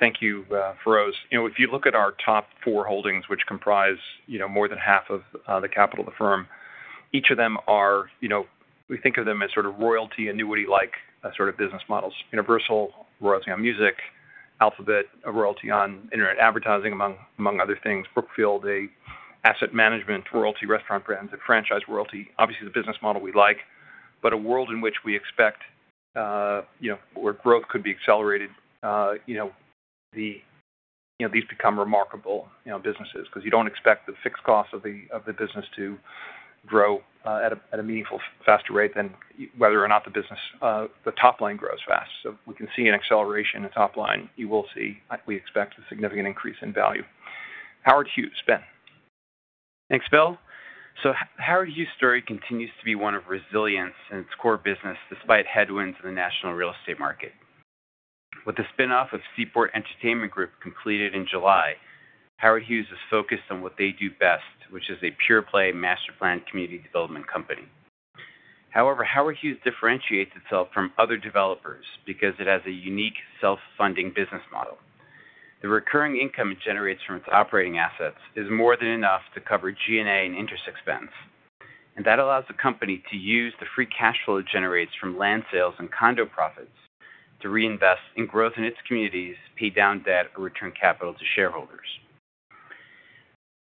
Thank you, Feroz. If you look at our top four holdings, which comprise more than half of the capital of the firm, each of them are we think of them as sort of royalty annuity-like sort of business models: Universal, royalty on music, Alphabet, a royalty on internet advertising, among other things, Brookfield, an asset management royalty, Restaurant Brands, a franchise royalty. Obviously, it's a business model we like, but a world in which we expect where growth could be accelerated, these become remarkable businesses because you don't expect the fixed costs of the business to grow at a meaningful, faster rate than whether or not the business, the top line, grows fast. So we can see an acceleration in the top line. You will see, we expect, a significant increase in value. Howard Hughes, Ben. Thanks, Bill. So Howard Hughes' story continues to be one of resilience in its core business despite headwinds in the national real estate market. With the spin-off of Seaport Entertainment Group completed in July, Howard Hughes is focused on what they do best, which is a pure-play master plan community development company. However, Howard Hughes differentiates itself from other developers because it has a unique self-funding business model. The recurring income it generates from its operating assets is more than enough to cover G&A and interest expense. And that allows the company to use the free cash flow it generates from land sales and condo profits to reinvest in growth in its communities, pay down debt, or return capital to shareholders.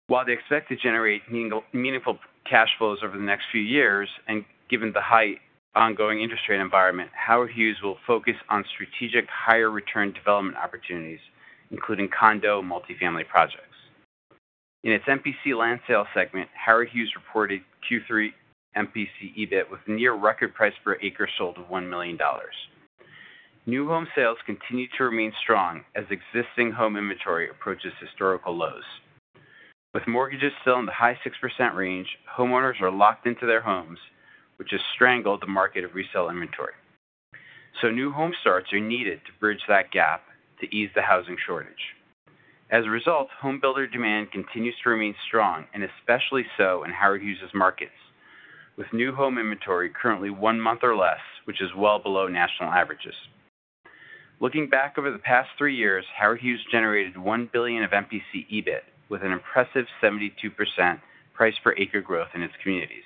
While they expect to generate meaningful cash flows over the next few years, and given the high ongoing interest rate environment, Howard Hughes will focus on strategic higher return development opportunities, including condo multifamily projects. In its MPC land sales segment, Howard Hughes reported Q3 MPC EBIT with a near record price per acre sold of $1 million. New home sales continue to remain strong as existing home inventory approaches historical lows. With mortgages still in the high 6% range, homeowners are locked into their homes, which has strangled the market of resale inventory. So new home starts are needed to bridge that gap to ease the housing shortage. As a result, home builder demand continues to remain strong, and especially so in Howard Hughes' markets, with new home inventory currently one month or less, which is well below national averages. Looking back over the past three years, Howard Hughes generated $1 billion of MPC EBIT with an impressive 72% price per acre growth in its communities.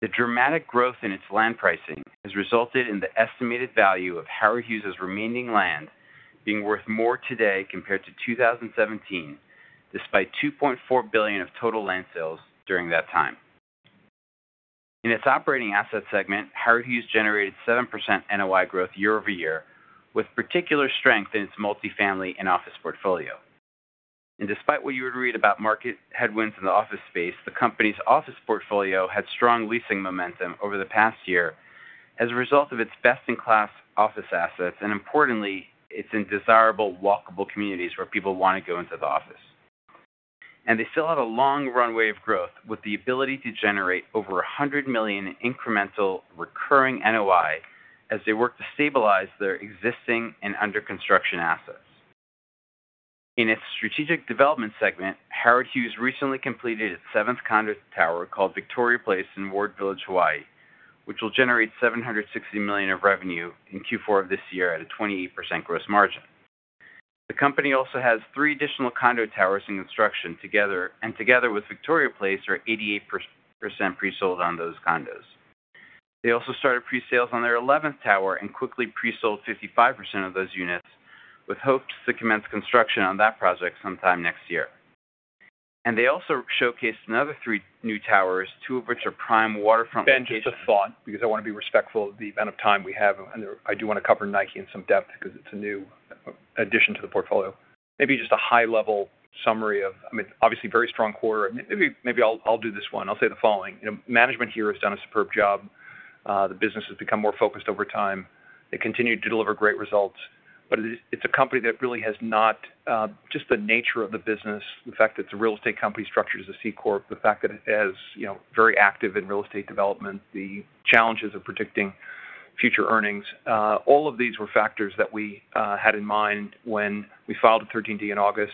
The dramatic growth in its land pricing has resulted in the estimated value of Howard Hughes' remaining land being worth more today compared to 2017, despite $2.4 billion of total land sales during that time. In its operating asset segment, Howard Hughes generated 7% NOI growth year-over-year, with particular strength in its multifamily and office portfolio. Despite what you would read about market headwinds in the office space, the company's office portfolio had strong leasing momentum over the past year as a result of its best-in-class office assets and, importantly, its desirable, walkable communities where people want to go into the office. They still have a long runway of growth with the ability to generate over $100 million incremental recurring NOI as they work to stabilize their existing and under-construction assets. In its strategic development segment, Howard Hughes recently completed its seventh condo tower called Victoria Place in Ward Village, Hawaii, which will generate $760 million of revenue in Q4 of this year at a 28% gross margin. The company also has three additional condo towers in construction together, and together with Victoria Place, there are 88% pre-sold on those condos. They also started pre-sales on their 11th tower and quickly pre-sold 55% of those units with hopes to commence construction on that project sometime next year. They also showcased another three new towers, two of which are prime waterfront features. Just a thought because I want to be respectful of the amount of time we have, and I do want to cover Nike in some depth because it's a new addition to the portfolio. Maybe just a high-level summary of, I mean, obviously very strong quarter. Maybe I'll do this one. I'll say the following. Management here has done a superb job. The business has become more focused over time. They continue to deliver great results. But it's a company that really has not just the nature of the business, the fact that it's a real estate company structured as a C-Corp, the fact that it is very active in real estate development, the challenges of predicting future earnings. All of these were factors that we had in mind when we filed the 13D in August,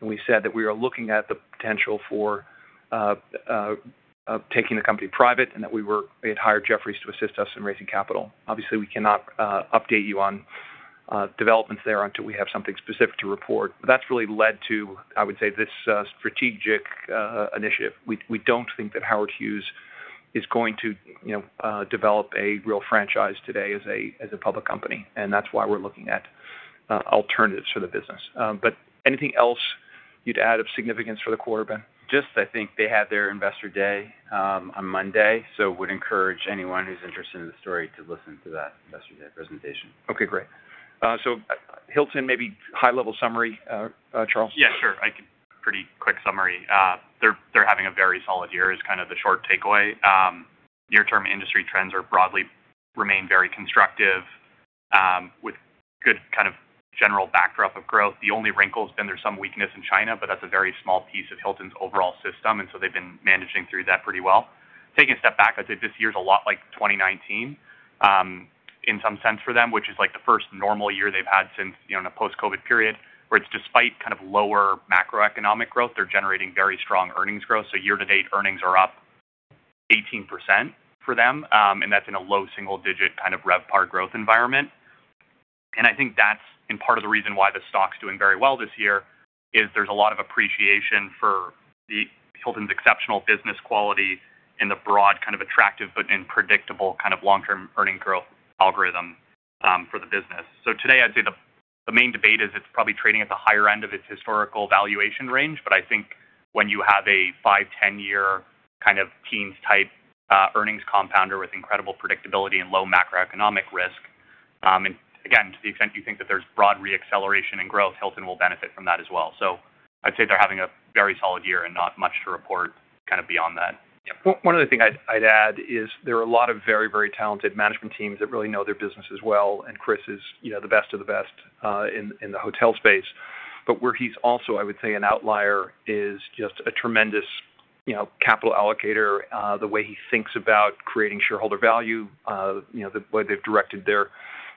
and we said that we are looking at the potential for taking the company private and that we had hired Jefferies to assist us in raising capital. Obviously, we cannot update you on developments there until we have something specific to report. But that's really led to, I would say, this strategic initiative. We don't think that Howard Hughes is going to develop a real franchise today as a public company, and that's why we're looking at alternatives for the business. But anything else you'd add of significance for the quarter, Ben? Just, I think they had their Investor Day on Monday, so I would encourage anyone who's interested in the story to listen to that Investor Day presentation. Okay. Great. So Hilton, maybe high-level summary, Charles? Yeah, sure. Pretty quick summary. They're having a very solid year is kind of the short takeaway. Near-term industry trends are broadly remained very constructive with good kind of general backdrop of growth. The only wrinkle has been there's some weakness in China, but that's a very small piece of Hilton's overall system, and so they've been managing through that pretty well. Taking a step back, I'd say this year is a lot like 2019 in some sense for them, which is like the first normal year they've had since in a post-COVID period where it's despite kind of lower macroeconomic growth, they're generating very strong earnings growth. So year-to-date earnings are up 18% for them, and that's in a low single-digit kind of RevPAR growth environment. I think that's part of the reason why the stock's doing very well this year is there's a lot of appreciation for Hilton's exceptional business quality and the broad kind of attractive but unpredictable kind of long-term earnings growth algorithm for the business. Today, I'd say the main debate is it's probably trading at the higher end of its historical valuation range, but I think when you have a five, 10-year kind of teens-type earnings compounder with incredible predictability and low macroeconomic risk, and again, to the extent you think that there's broad re-acceleration and growth, Hilton will benefit from that as well. I'd say they're having a very solid year and not much to report kind of beyond that. One other thing I'd add is there are a lot of very, very talented management teams that really know their businesses well, and Chris is the best-of-the-best in the hotel space. But where he's also, I would say, an outlier is just a tremendous capital allocator, the way he thinks about creating shareholder value, the way they've directed their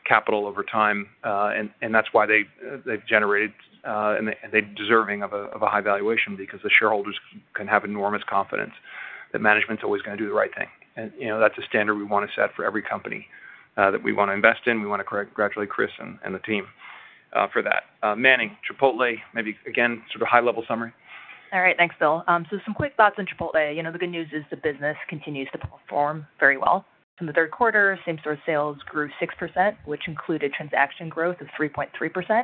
capital over time. And that's why they've generated and they're deserving of a high valuation because the shareholders can have enormous confidence that management's always going to do the right thing. And that's a standard we want to set for every company that we want to invest in. We want to congratulate Chris and the team for that. Manning, Chipotle, maybe again, sort of high-level summary. All right. Thanks, Bill. So some quick thoughts on Chipotle. The good news is the business continues to perform very well. In the third quarter, same-store sales grew 6%, which included transaction growth of 3.3%.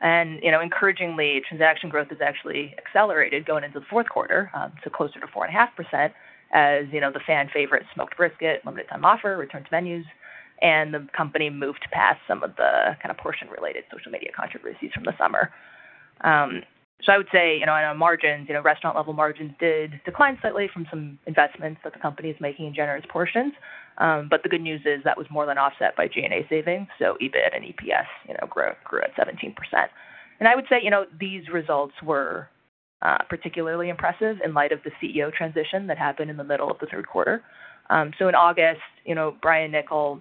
And encouragingly, transaction growth has actually accelerated going into the fourth quarter, so closer to 4.5%, as the fan-favorite smoked brisket, limited-time offer, returned to menus, and the company moved past some of the kind of portion-related social media controversies from the summer. So I would say on our margins, restaurant-level margins did decline slightly from some investments that the company is making in generous portions. But the good news is that was more than offset by G&A savings. So EBIT and EPS grew at 17%. And I would say these results were particularly impressive in light of the CEO transition that happened in the middle of the third quarter. In August, Brian Niccol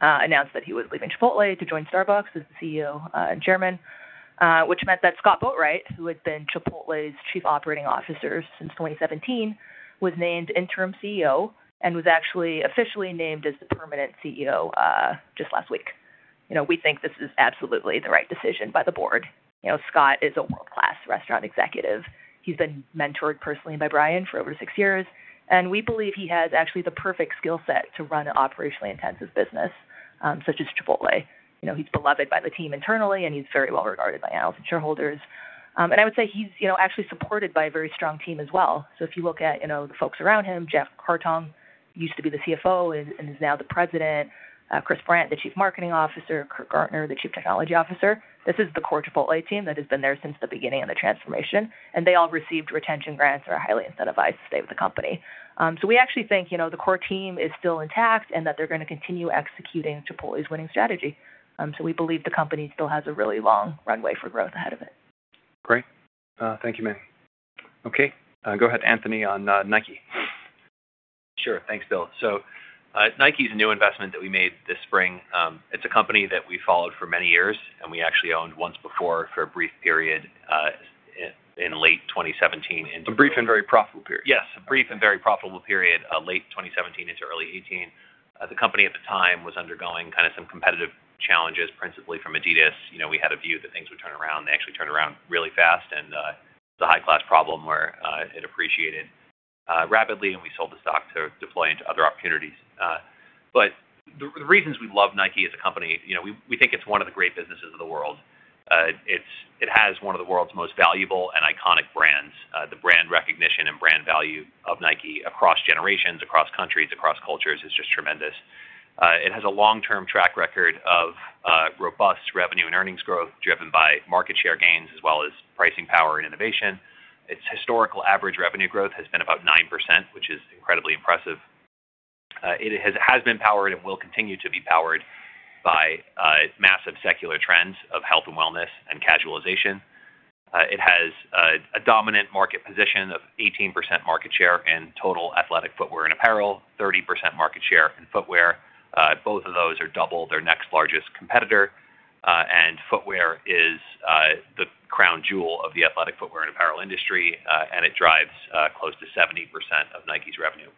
announced that he was leaving Chipotle to join Starbucks as the CEO and Chairman, which meant that Scott Boatwright, who had been Chipotle's Chief Operating Officer since 2017, was named interim CEO and was actually officially named as the permanent CEO just last week. We think this is absolutely the right decision by the board. Scott is a world-class restaurant executive. He's been mentored personally by Brian for over six years, and we believe he has actually the perfect skill set to run an operationally intensive business such as Chipotle. He's beloved by the team internally, and he's very well-regarded by all institutional shareholders. And I would say he's actually supported by a very strong team as well. So if you look at the folks around him, Jack Hartung used to be the CFO and is now the President, Chris Brandt, the Chief Marketing Officer, Curt Garner, the Chief Technology Officer. This is the core Chipotle team that has been there since the beginning of the transformation, and they all received retention grants that are highly incentivized to stay with the company. So we actually think the core team is still intact and that they're going to continue executing Chipotle's winning strategy. So we believe the company still has a really long runway for growth ahead of it. Great. Thank you, Manning. Okay. Go ahead, Anthony, on Nike. Sure. Thanks, Bill. Nike is a new investment that we made this spring. It's a company that we followed for many years, and we actually owned once before for a brief period in late 2017. A brief and very profitable period. Yes, a brief and very profitable period, late 2017 into early 2018. The company at the time was undergoing kind of some competitive challenges, principally from Adidas. We had a view that things would turn around. They actually turned around really fast, and it's a high-class problem where it appreciated rapidly, and we sold the stock to deploy into other opportunities. But the reasons we love Nike as a company, we think it's one of the great businesses of the world. It has one of the world's most valuable and iconic brands. The brand recognition and brand value of Nike across generations, across countries, across cultures is just tremendous. It has a long-term track record of robust revenue and earnings growth driven by market share gains as well as pricing power and innovation. Its historical average revenue growth has been about 9%, which is incredibly impressive. It has been powered and will continue to be powered by massive secular trends of health and wellness and casualization. It has a dominant market position of 18% market share in total athletic footwear and apparel, 30% market share in footwear. Both of those are double their next largest competitor, and footwear is the crown jewel of the athletic footwear and apparel industry, and it drives close to 70% of Nike's revenue.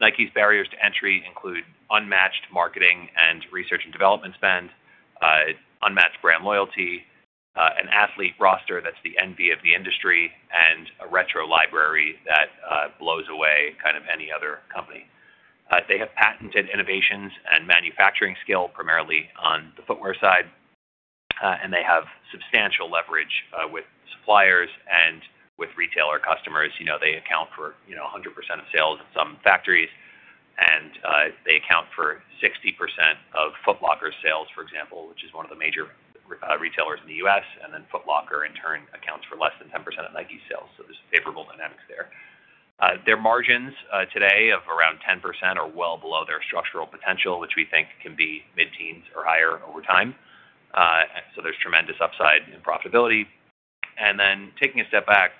Nike's barriers to entry include unmatched marketing and research and development spend, unmatched brand loyalty, an athlete roster that's the envy of the industry, and a retro library that blows away kind of any other company. They have patented innovations and manufacturing skill primarily on the footwear side, and they have substantial leverage with suppliers and with retailer customers. They account for 100% of sales at some factories, and they account for 60% of Foot Locker sales, for example, which is one of the major retailers in the U.S., and then Foot Locker, in turn, accounts for less than 10% of Nike's sales, so there's favorable dynamics there. Their margins today of around 10% are well below their structural potential, which we think can be mid-teens or higher over time, so there's tremendous upside in profitability, and then taking a step back,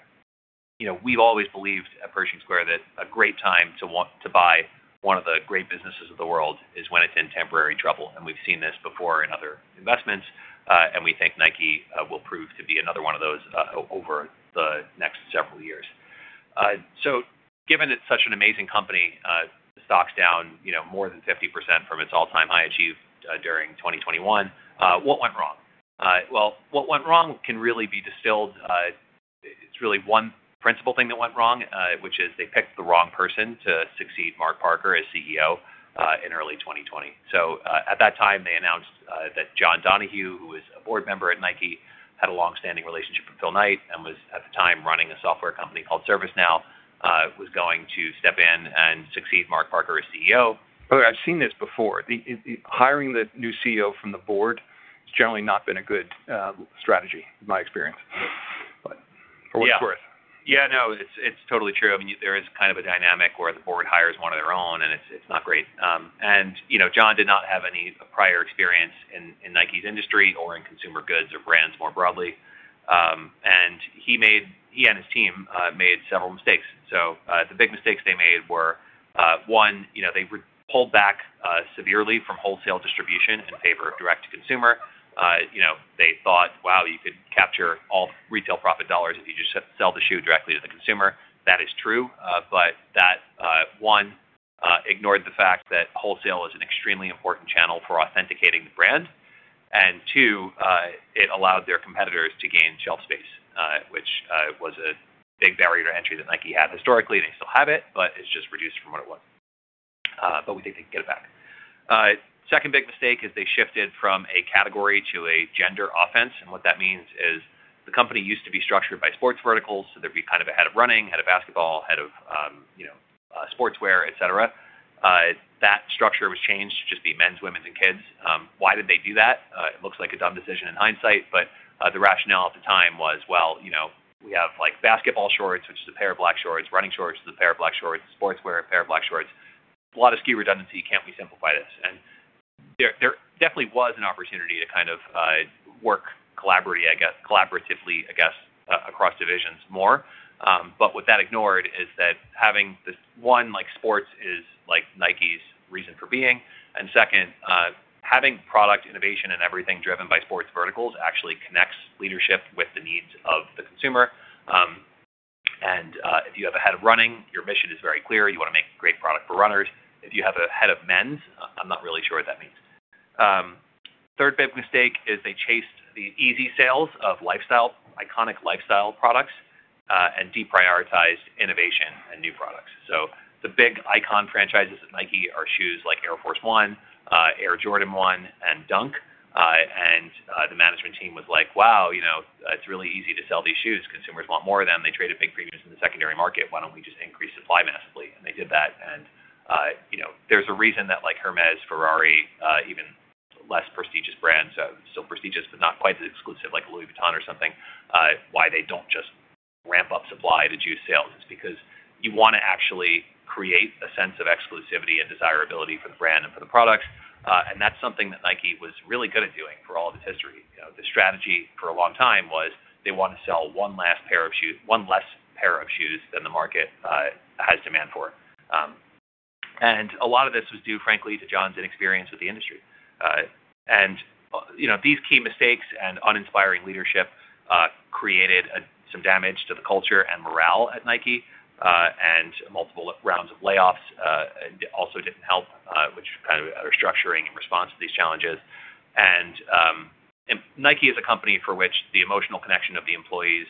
we've always believed at Pershing Square that a great time to buy one of the great businesses of the world is when it's in temporary trouble, and we've seen this before in other investments, and we think Nike will prove to be another one of those over the next several years. Given it's such an amazing company, the stock's down more than 50% from its all-time high achieved during 2021. What went wrong? What went wrong can really be distilled. It's really one principal thing that went wrong, which is they picked the wrong person to succeed Mark Parker as CEO in early 2020. At that time, they announced that John Donahoe, who was a board member at Nike, had a long-standing relationship with Phil Knight and was, at the time, running a software company called ServiceNow, was going to step in and succeed Mark Parker as CEO. I've seen this before. Hiring the new CEO from the board has generally not been a good strategy, in my experience. But for what it's worth. Yeah. Yeah, no, it's totally true. I mean, there is kind of a dynamic where the board hires one of their own, and it's not great, and John did not have any prior experience in Nike's industry or in consumer goods or brands more broadly, and he and his team made several mistakes, so the big mistakes they made were, one, they pulled back severely from wholesale distribution in favor of direct-to-consumer. They thought, "Wow, you could capture all retail profit dollars if you just sell the shoe directly to the consumer." That is true, but that, one, ignored the fact that wholesale is an extremely important channel for authenticating the brand, and two, it allowed their competitors to gain shelf space, which was a big barrier to entry that Nike had historically, and they still have it, but it's just reduced from what it was. But we think they can get it back. Second big mistake is they shifted from a category to a gender focus. And what that means is the company used to be structured by sports verticals, so they'd be kind of head of running, head of basketball, head of sportswear, etc. That structure was changed to just be men's, women's, and kids. Why did they do that? It looks like a dumb decision in hindsight, but the rationale at the time was, "Well, we have basketball shorts, which is a pair of black shorts, running shorts is a pair of black shorts, sportswear is a pair of black shorts. A lot of SKU redundancy. Can't we simplify this?" And there definitely was an opportunity to kind of work collaboratively, I guess, across divisions more. But what that ignored is that having this one, like sports, is Nike's reason for being. And second, having product innovation and everything driven by sports verticals actually connects leadership with the needs of the consumer. And if you have a head of running, your mission is very clear. You want to make great product for runners. If you have a head of men's, I'm not really sure what that means. Third big mistake is they chased the easy sales of iconic lifestyle products and deprioritized innovation and new products. So the big iconic franchises at Nike are shoes like Air Force 1, Air Jordan 1, and Dunk. And the management team was like, "Wow, it's really easy to sell these shoes. Consumers want more of them. They trade at big premiums in the secondary market. Why don't we just increase supply massively?" And they did that. There's a reason that Hermès, Ferrari, even less prestigious brands, still prestigious but not quite as exclusive like Louis Vuitton or something, why they don't just ramp up supply to juice sales. It's because you want to actually create a sense of exclusivity and desirability for the brand and for the products. That's something that Nike was really good at doing for all of its history. Their strategy for a long time was they want to sell one last pair of shoes, one less pair of shoes than the market has demand for. A lot of this was due, frankly, to John's inexperience with the industry. These key mistakes and uninspiring leadership created some damage to the culture and morale at Nike, and multiple rounds of layoffs also didn't help, which kind of restructuring in response to these challenges. Nike is a company for which the emotional connection of the employees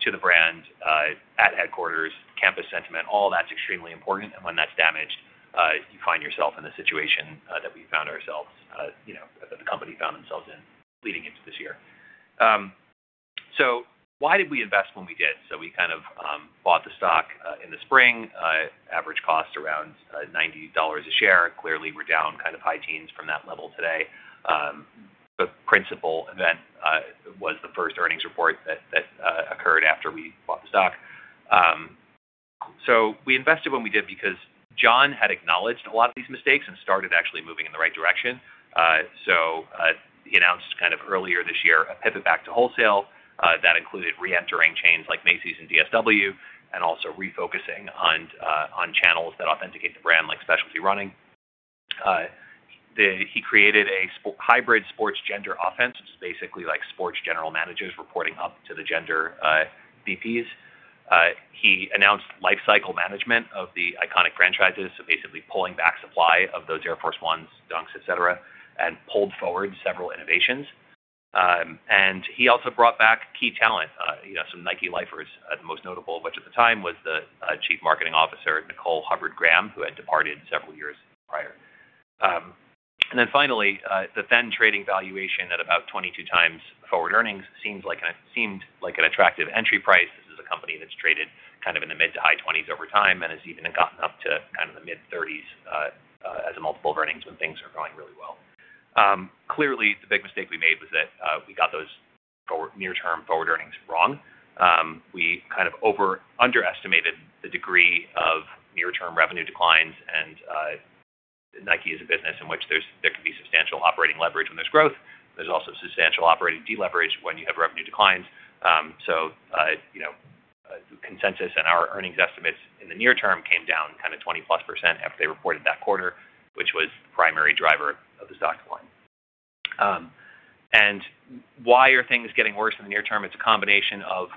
to the brand at headquarters, campus sentiment, all that's extremely important. When that's damaged, you find yourself in the situation that we found ourselves, that the company found themselves in leading into this year. Why did we invest when we did? We kind of bought the stock in the spring, average cost around $90 a share. Clearly, we're down kind of high teens from that level today. The principal event was the first earnings report that occurred after we bought the stock. We invested when we did because John had acknowledged a lot of these mistakes and started actually moving in the right direction. So he announced kind of earlier this year a pivot back to wholesale that included re-entering chains like Macy's and DSW and also refocusing on channels that authenticate the brand like specialty running. He created a hybrid sports gender offense, which is basically like sports general managers reporting up to the gender VPs. He announced lifecycle management of the iconic franchises, so basically pulling back supply of those Air Force Ones, Dunks, etc., and pulled forward several innovations. And he also brought back key talent, some Nike lifers, the most notable of which at the time was the Chief Marketing Officer, Nicole Hubbard Graham, who had departed several years prior. And then finally, the then trading valuation at about 22x forward earnings seemed like an attractive entry price. This is a company that's traded kind of in the mid- to high 20s over time and has even gotten up to kind of the mid-30s as a multiple of earnings when things are going really well. Clearly, the big mistake we made was that we got those near-term forward earnings wrong. We kind of underestimated the degree of near-term revenue declines. And Nike is a business in which there can be substantial operating leverage when there's growth. There's also substantial operating deleverage when you have revenue declines. So consensus and our earnings estimates in the near term came down kind of 20%+ after they reported that quarter, which was the primary driver of the stock decline. And why are things getting worse in the near term? It's a combination of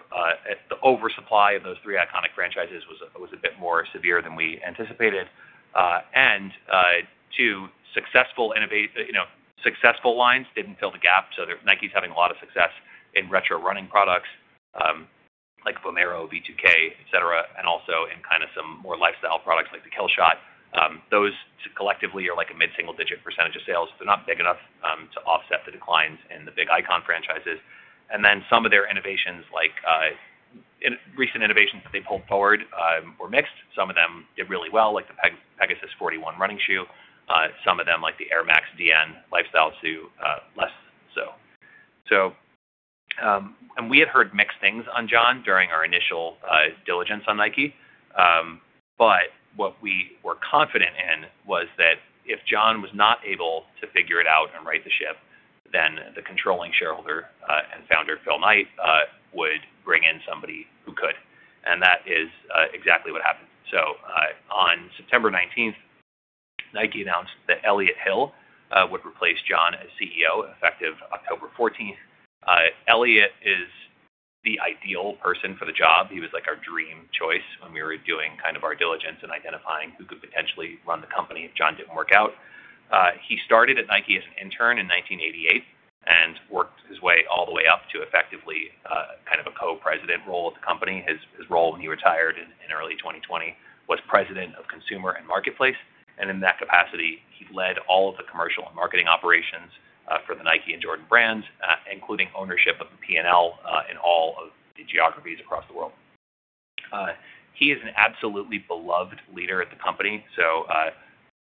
the oversupply of those three iconic franchises was a bit more severe than we anticipated. And two, successful lines didn't fill the gap. So Nike's having a lot of success in retro running products like Vomero, V2K, etc., and also in kind of some more lifestyle products like the Killshot. Those collectively are like a mid-single-digit percent of sales. They're not big enough to offset the declines in the big icon franchises. And then some of their innovations, like recent innovations that they pulled forward, were mixed. Some of them did really well, like the Pegasus 41 running shoe. Some of them, like the Air Max Dn lifestyle shoe, less so. And we had heard mixed things on John during our initial diligence on Nike. But what we were confident in was that if John was not able to figure it out and right the ship, then the controlling shareholder and founder, Phil Knight, would bring in somebody who could. And that is exactly what happened. So on September 19th, Nike announced that Elliott Hill would replace John as CEO effective October 14th. Elliott is the ideal person for the job. He was like our dream choice when we were doing kind of our diligence and identifying who could potentially run the company if John didn't work out. He started at Nike as an intern in 1988 and worked his way all the way up to effectively kind of a co-president role at the company. His role when he retired in early 2020 was President of Consumer and Marketplace. And in that capacity, he led all of the commercial and marketing operations for the Nike and Jordan brands, including ownership of the P&L in all of the geographies across the world. He is an absolutely beloved leader at the company.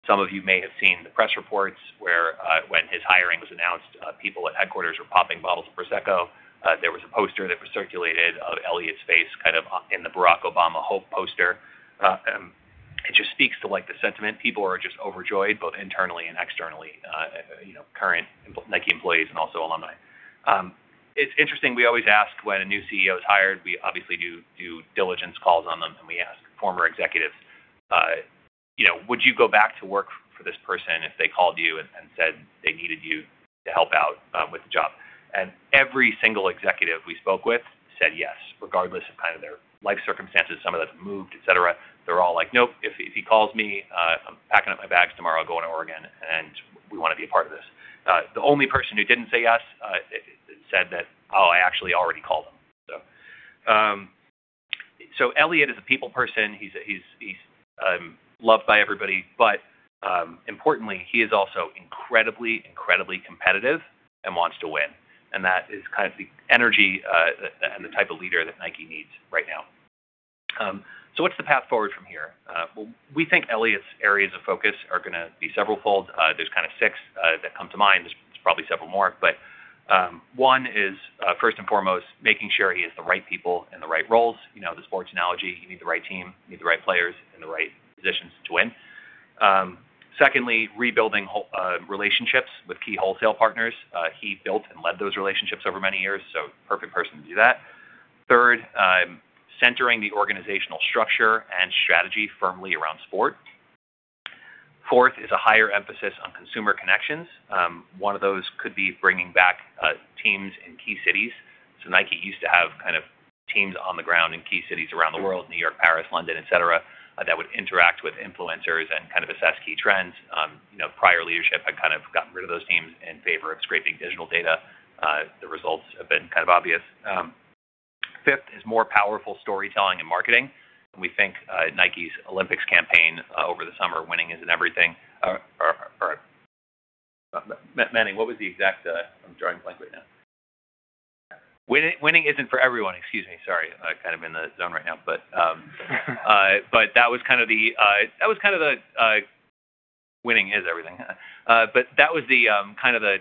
Some of you may have seen the press reports where when his hiring was announced, people at headquarters were popping bottles of Prosecco. There was a poster that was circulated of Elliott's face kind of in the Barack Obama Hope poster. It just speaks to the sentiment. People are just overjoyed, both internally and externally, current Nike employees and also alumni. It's interesting. We always ask when a new CEO is hired. We obviously do diligence calls on them, and we ask former executives, "Would you go back to work for this person if they called you and said they needed you to help out with the job?" And every single executive we spoke with said yes, regardless of kind of their life circumstances, some of them moved, etc. They're all like, "Nope. If he calls me, I'm packing up my bags tomorrow, going to Oregon, and we want to be a part of this." The only person who didn't say yes said that, "Oh, I actually already called him." So Elliott is a people person. He's loved by everybody. But importantly, he is also incredibly, incredibly competitive and wants to win. And that is kind of the energy and the type of leader that Nike needs right now. So what's the path forward from here? Well, we think Elliott's areas of focus are going to be several fold. There's kind of six that come to mind. There's probably several more. But one is, first and foremost, making sure he has the right people in the right roles. The sports analogy, you need the right team, you need the right players in the right positions to win. Secondly, rebuilding relationships with key wholesale partners. He built and led those relationships over many years, so perfect person to do that. Third, centering the organizational structure and strategy firmly around sport. Fourth is a higher emphasis on consumer connections. One of those could be bringing back teams in key cities. So Nike used to have kind of teams on the ground in key cities around the world, New York, Paris, London, etc., that would interact with influencers and kind of assess key trends. Prior leadership had kind of gotten rid of those teams in favor of scraping digital data. The results have been kind of obvious. Fifth is more powerful storytelling and marketing. We think Nike's Olympics campaign over the summer, winning isn't everything. Manning, what was the exact. I'm drawing a blank right now. Winning isn't for everyone. Excuse me. Sorry. I'm kind of in the zone right now. But that was kind of the winning is everything. But that was kind of the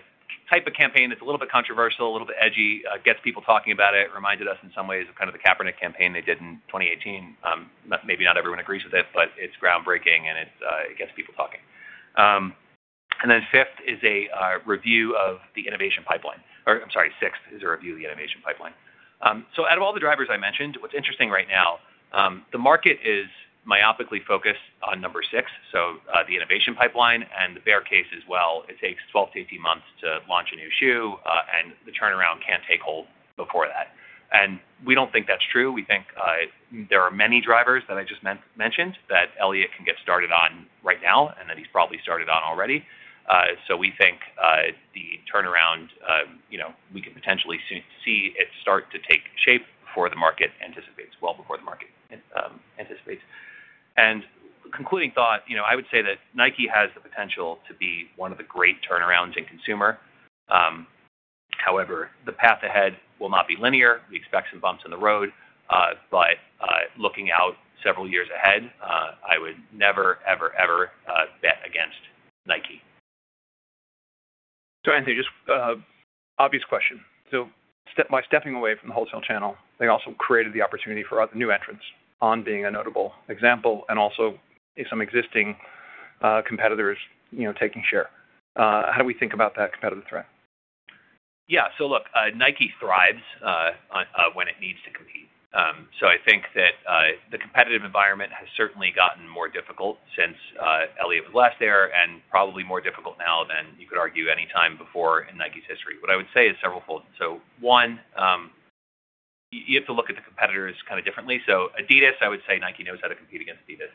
type of campaign that's a little bit controversial, a little bit edgy, gets people talking about it, reminded us in some ways of kind of the Kaepernick campaign they did in 2018. Maybe not everyone agrees with it, but it's groundbreaking, and it gets people talking. And then fifth is a review of the innovation pipeline. Or I'm sorry, sixth is a review of the innovation pipeline. So out of all the drivers I mentioned, what's interesting right now, the market is myopically focused on number six, so the innovation pipeline. And the bear case as well, it takes 12 to 18 months to launch a new shoe, and the turnaround can't take hold before that. And we don't think that's true. We think there are many drivers that I just mentioned that Elliott can get started on right now and that he's probably started on already. So we think the turnaround. We could potentially see it start to take shape before the market anticipates, well before the market anticipates. And, concluding thought, I would say that Nike has the potential to be one of the great turnarounds in consumer. However, the path ahead will not be linear. We expect some bumps in the road, but looking out several years ahead, I would never, ever, ever bet against Nike. So, Anthony, just obvious question. So by stepping away from the wholesale channel, they also created the opportunity for a new entrant, On, being a notable example and also some existing competitors taking share. How do we think about that competitive threat? Yeah. So look, Nike thrives when it needs to compete. So I think that the competitive environment has certainly gotten more difficult since Elliott was last there and probably more difficult now than you could argue any time before in Nike's history. What I would say is several fold. So one, you have to look at the competitors kind of differently. So Adidas, I would say Nike knows how to compete against Adidas,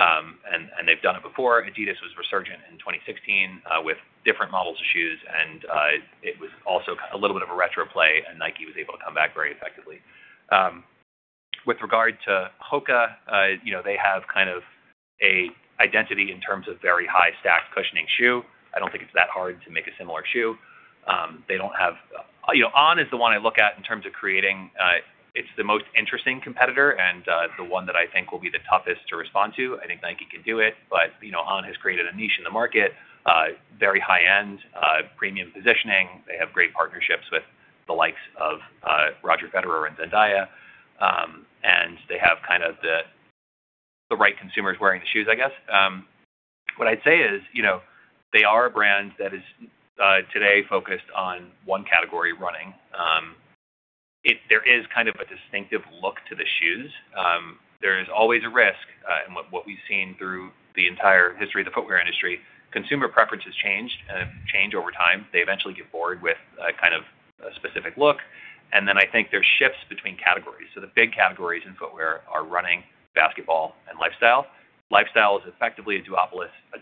and they've done it before. Adidas was resurgent in 2016 with different models of shoes, and it was also a little bit of a retro play, and Nike was able to come back very effectively. With regard to Hoka, they have kind of an identity in terms of very high-stacked cushioning shoe. I don't think it's that hard to make a similar shoe. They don't have. On is the one I look at in terms of creating. It's the most interesting competitor and the one that I think will be the toughest to respond to. I think Nike can do it. But On has created a niche in the market, very high-end, premium positioning. They have great partnerships with the likes of Roger Federer and Zendaya, and they have kind of the right consumers wearing the shoes, I guess. What I'd say is they are a brand that is today focused on one category, running. There is kind of a distinctive look to the shoes. There is always a risk. And what we've seen through the entire history of the footwear industry, consumer preferences change over time. They eventually get bored with kind of a specific look. And then I think there's shifts between categories. So the big categories in footwear are running, basketball, and lifestyle. Lifestyle is effectively a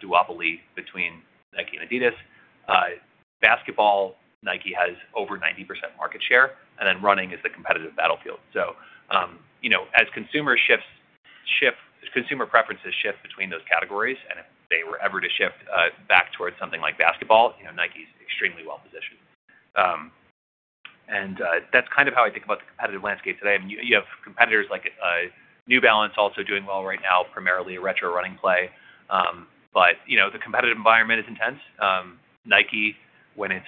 duopoly between Nike and Adidas. Basketball, Nike has over 90% market share, and then running is the competitive battlefield, so as consumer preferences shift between those categories, and if they were ever to shift back towards something like basketball, Nike's extremely well-positioned, and that's kind of how I think about the competitive landscape today. You have competitors like New Balance also doing well right now, primarily a retro running play, but the competitive environment is intense. Nike, when it's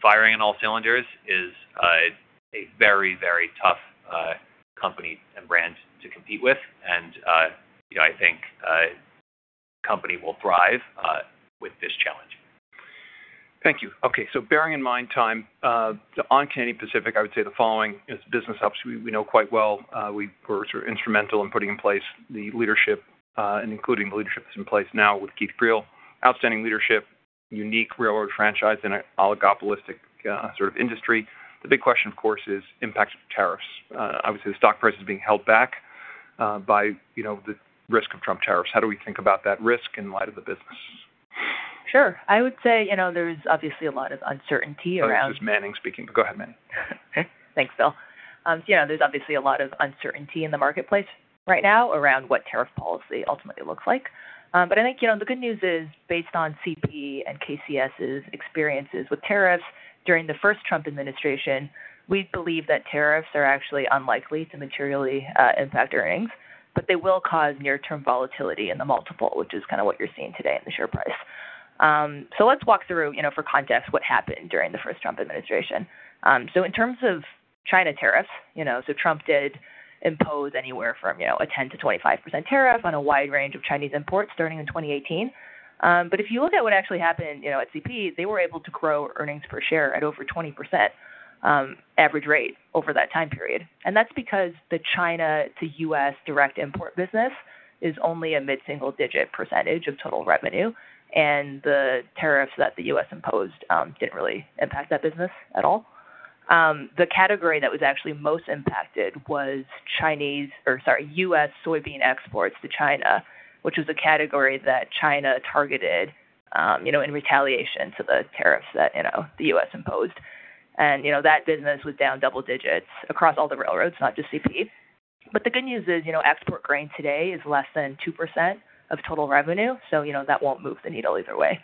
firing on all cylinders, is a very, very tough company and brand to compete with, and I think the company will thrive with this challenge. Thank you. Okay. Bearing in mind time, the Canadian Pacific, I would say, is a business we know quite well. We were sort of instrumental in putting in place the leadership and including the leadership that's in place now with Keith Creel. Outstanding leadership, unique railroad franchise in an oligopolistic sort of industry. The big question, of course, is impact of tariffs. Obviously, the stock price is being held back by the risk of Trump tariffs. How do we think about that risk in light of the business? Sure. I would say there's obviously a lot of uncertainty around. This is Manning speaking. But go ahead, Manning. Thanks, Bill. There's obviously a lot of uncertainty in the marketplace right now around what tariff policy ultimately looks like. But I think the good news is, based on CP and KCS's experiences with tariffs during the first Trump administration, we believe that tariffs are actually unlikely to materially impact earnings, but they will cause near-term volatility in the multiple, which is kind of what you're seeing today in the share price. So let's walk through, for context, what happened during the first Trump administration. So in terms of China tariffs, so Trump did impose anywhere from a 10%-25% tariff on a wide range of Chinese imports starting in 2018. But if you look at what actually happened at CP, they were able to grow earnings per share at over 20% average rate over that time period. And that's because the China to U.S. direct import business is only a mid-single-digit percentage of total revenue, and the tariffs that the U.S. imposed didn't really impact that business at all. The category that was actually most impacted was Chinese or, sorry, U.S. soybean exports to China, which was a category that China targeted in retaliation to the tariffs that the U.S. imposed. And that business was down double digits across all the railroads, not just CP. But the good news is export grain today is less than 2% of total revenue, so that won't move the needle either way.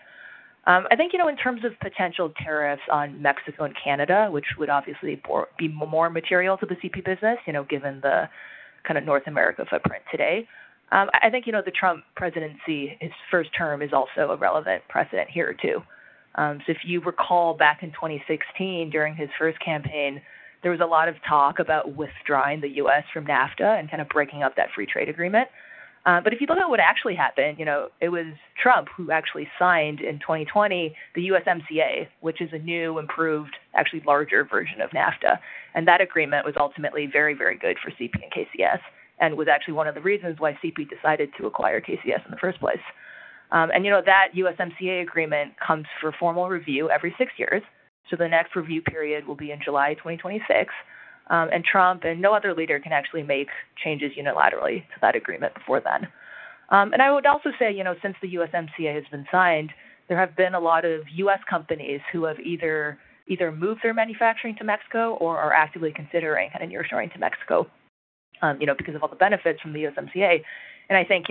I think in terms of potential tariffs on Mexico and Canada, which would obviously be more material to the CP business given the kind of North America footprint today, I think the Trump presidency, his first term, is also a relevant precedent here too. So if you recall back in 2016, during his first campaign, there was a lot of talk about withdrawing the U.S. from NAFTA and kind of breaking up that free trade agreement. But if you look at what actually happened, it was Trump who actually signed in 2020 the USMCA, which is a new, improved, actually larger version of NAFTA. And that agreement was ultimately very, very good for CP and KCS and was actually one of the reasons why CP decided to acquire KCS in the first place. And that USMCA agreement comes for formal review every six years. So the next review period will be in July 2026. And Trump and no other leader can actually make changes unilaterally to that agreement before then. And I would also say, since the USMCA has been signed, there have been a lot of U.S. companies who have either moved their manufacturing to Mexico or are actively considering kind of near-shoring to Mexico because of all the benefits from the USMCA. And I think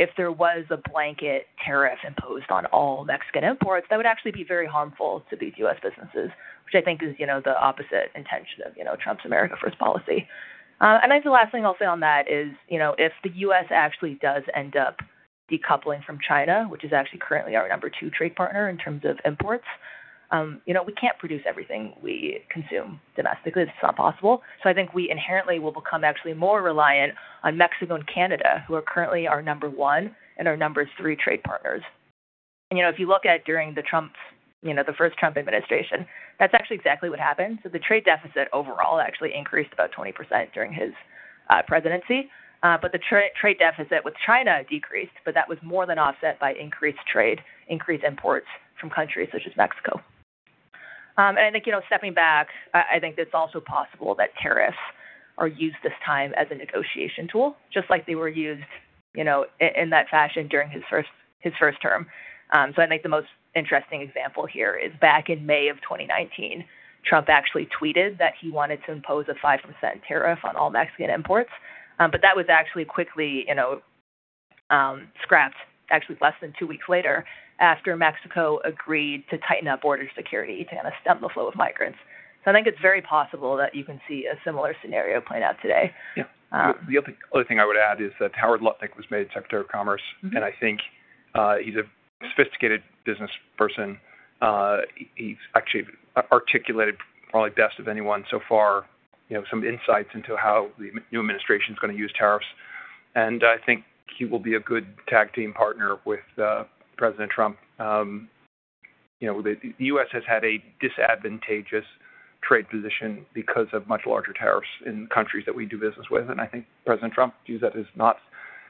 if there was a blanket tariff imposed on all Mexican imports, that would actually be very harmful to these U.S. businesses, which I think is the opposite intention of Trump's America First policy. And I think the last thing I'll say on that is if the U.S. actually does end up decoupling from China, which is actually currently our number two trade partner in terms of imports, we can't produce everything we consume domestically. It's not possible. So I think we inherently will become actually more reliant on Mexico and Canada, who are currently our number one and our number three trade partners. If you look at during the first Trump administration, that's actually exactly what happened. The trade deficit overall actually increased about 20% during his presidency. The trade deficit with China decreased, but that was more than offset by increased trade, increased imports from countries such as Mexico. I think stepping back, I think it's also possible that tariffs are used this time as a negotiation tool, just like they were used in that fashion during his first term. I think the most interesting example here is back in May of 2019, Trump actually tweeted that he wanted to impose a 5% tariff on all Mexican imports. That was actually quickly scrapped, actually less than two weeks later, after Mexico agreed to tighten up border security to kind of stem the flow of migrants. So I think it's very possible that you can see a similar scenario playing out today. Yeah. The other thing I would add is that Howard Lutnick was made Secretary of Commerce, and I think he's a sophisticated business person. He's actually articulated probably best of anyone so far some insights into how the new administration is going to use tariffs. And I think he will be a good tag team partner with President Trump. The U.S. has had a disadvantageous trade position because of much larger tariffs in countries that we do business with. And I think President Trump views that as not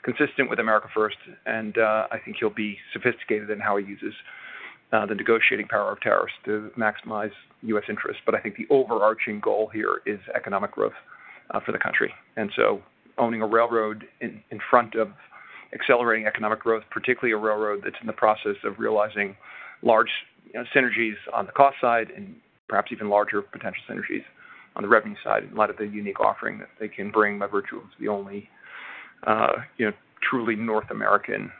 consistent with America First. And I think he'll be sophisticated in how he uses the negotiating power of tariffs to maximize U.S. interests. But I think the overarching goal here is economic growth for the country. Owning a railroad in front of accelerating economic growth, particularly a railroad that's in the process of realizing large synergies on the cost side and perhaps even larger potential synergies on the revenue side in light of the unique offering that they can bring by virtue of the only truly North American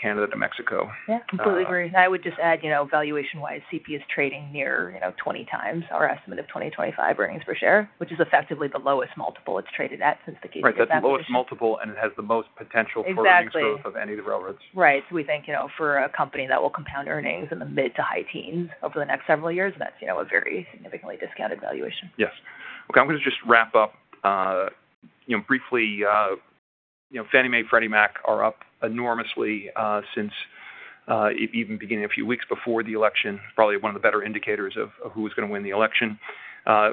Canada to Mexico. Yeah. Completely agree. And I would just add, valuation-wise, CP is trading near 20x our estimate of 2025 earnings per share, which is effectively the lowest multiple it's traded at since the case was. Right. That's the lowest multiple, and it has the most potential forward growth of any of the railroads. Exactly. Right. So we think for a company that will compound earnings in the mid to high teens over the next several years, that's a very significantly discounted valuation. Yes. Okay. I'm going to just wrap up briefly. Fannie Mae and Freddie Mac are up enormously since even beginning a few weeks before the election, probably one of the better indicators of who is going to win the election.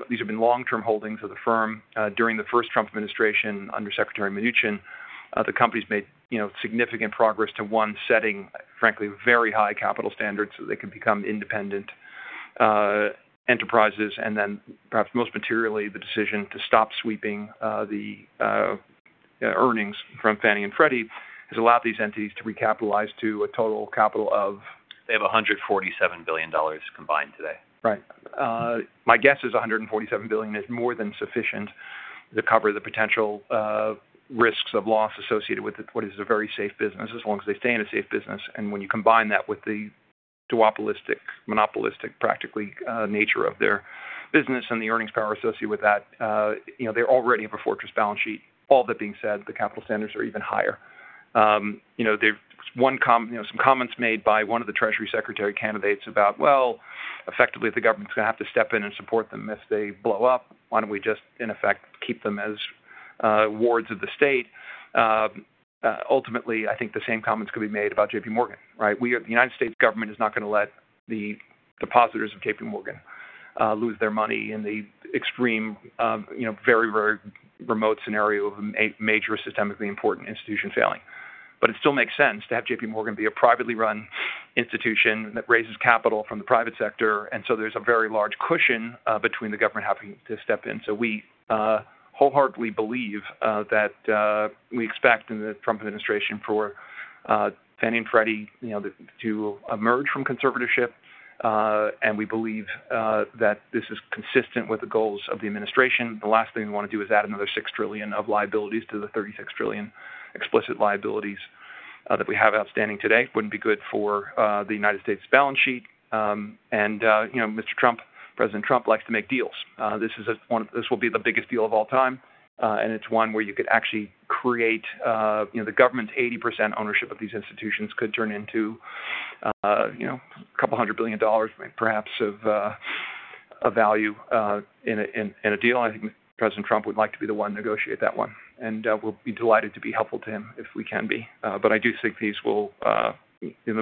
These have been long-term holdings of the firm. During the first Trump administration under Secretary Mnuchin, the company's made significant progress to one setting, frankly, very high capital standards so they can become independent enterprises. And then perhaps most materially, the decision to stop sweeping the earnings from Fannie and Freddie has allowed these entities to recapitalize to a total capital of. They have $147 billion combined today. Right. My guess is $147 billion is more than sufficient to cover the potential risks of loss associated with what is a very safe business as long as they stay in a safe business. And when you combine that with the duopolistic, monopolistic, practically nature of their business and the earnings power associated with that, they already have a fortress balance sheet. All that being said, the capital standards are even higher. There's some comments made by one of the Treasury Secretary candidates about, "Well, effectively, the government's going to have to step in and support them if they blow up. Why don't we just, in effect, keep them as wards of the state?" Ultimately, I think the same comments could be made about JPMorgan, right? The United States government is not going to let the depositors of JPMorgan lose their money in the extreme, very, very remote scenario of a major systemically important institution failing, but it still makes sense to have JPMorgan be a privately run institution that raises capital from the private sector. And so there's a very large cushion between the government having to step in, so we wholeheartedly believe that we expect in the Trump administration for Fannie and Freddie to emerge from conservatorship, and we believe that this is consistent with the goals of the administration. The last thing we want to do is add another six trillion of liabilities to the 36 trillion explicit liabilities that we have outstanding today. It wouldn't be good for the United States balance sheet, and Mr. Trump, President Trump likes to make deals. This will be the biggest deal of all time. And it's one where you could actually create the government's 80% ownership of these institutions could turn into $200 billion, perhaps of value in a deal. I think President Trump would like to be the one to negotiate that one. And we'll be delighted to be helpful to him if we can be. But I do think the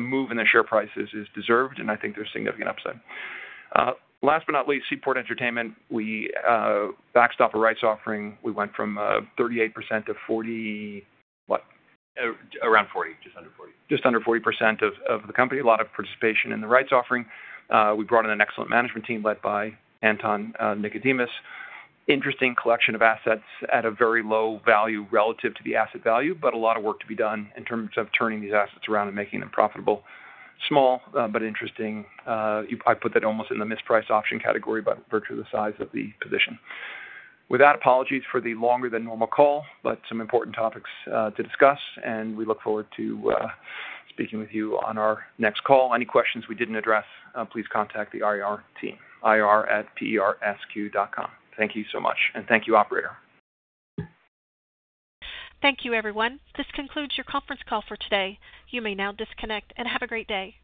move in the share prices is deserved, and I think there's significant upside. Last but not least, Seaport Entertainment. We backstopped a rights offering. We went from 38%-40%, what? Around 40%. Just under 40%. Just under 40% of the company. A lot of participation in the rights offering. We brought in an excellent management team led by Anton Nikodemus. Interesting collection of assets at a very low value relative to the asset value, but a lot of work to be done in terms of turning these assets around and making them profitable. Small, but interesting. I put that almost in the mispriced option category by virtue of the size of the position. With that, apologies for the longer than normal call, but some important topics to discuss. And we look forward to speaking with you on our next call. Any questions we didn't address, please contact the IR team, ir@prsq.com. Thank you so much. And thank you, operator. Thank you, everyone. This concludes your conference call for today. You may now disconnect and have a great day.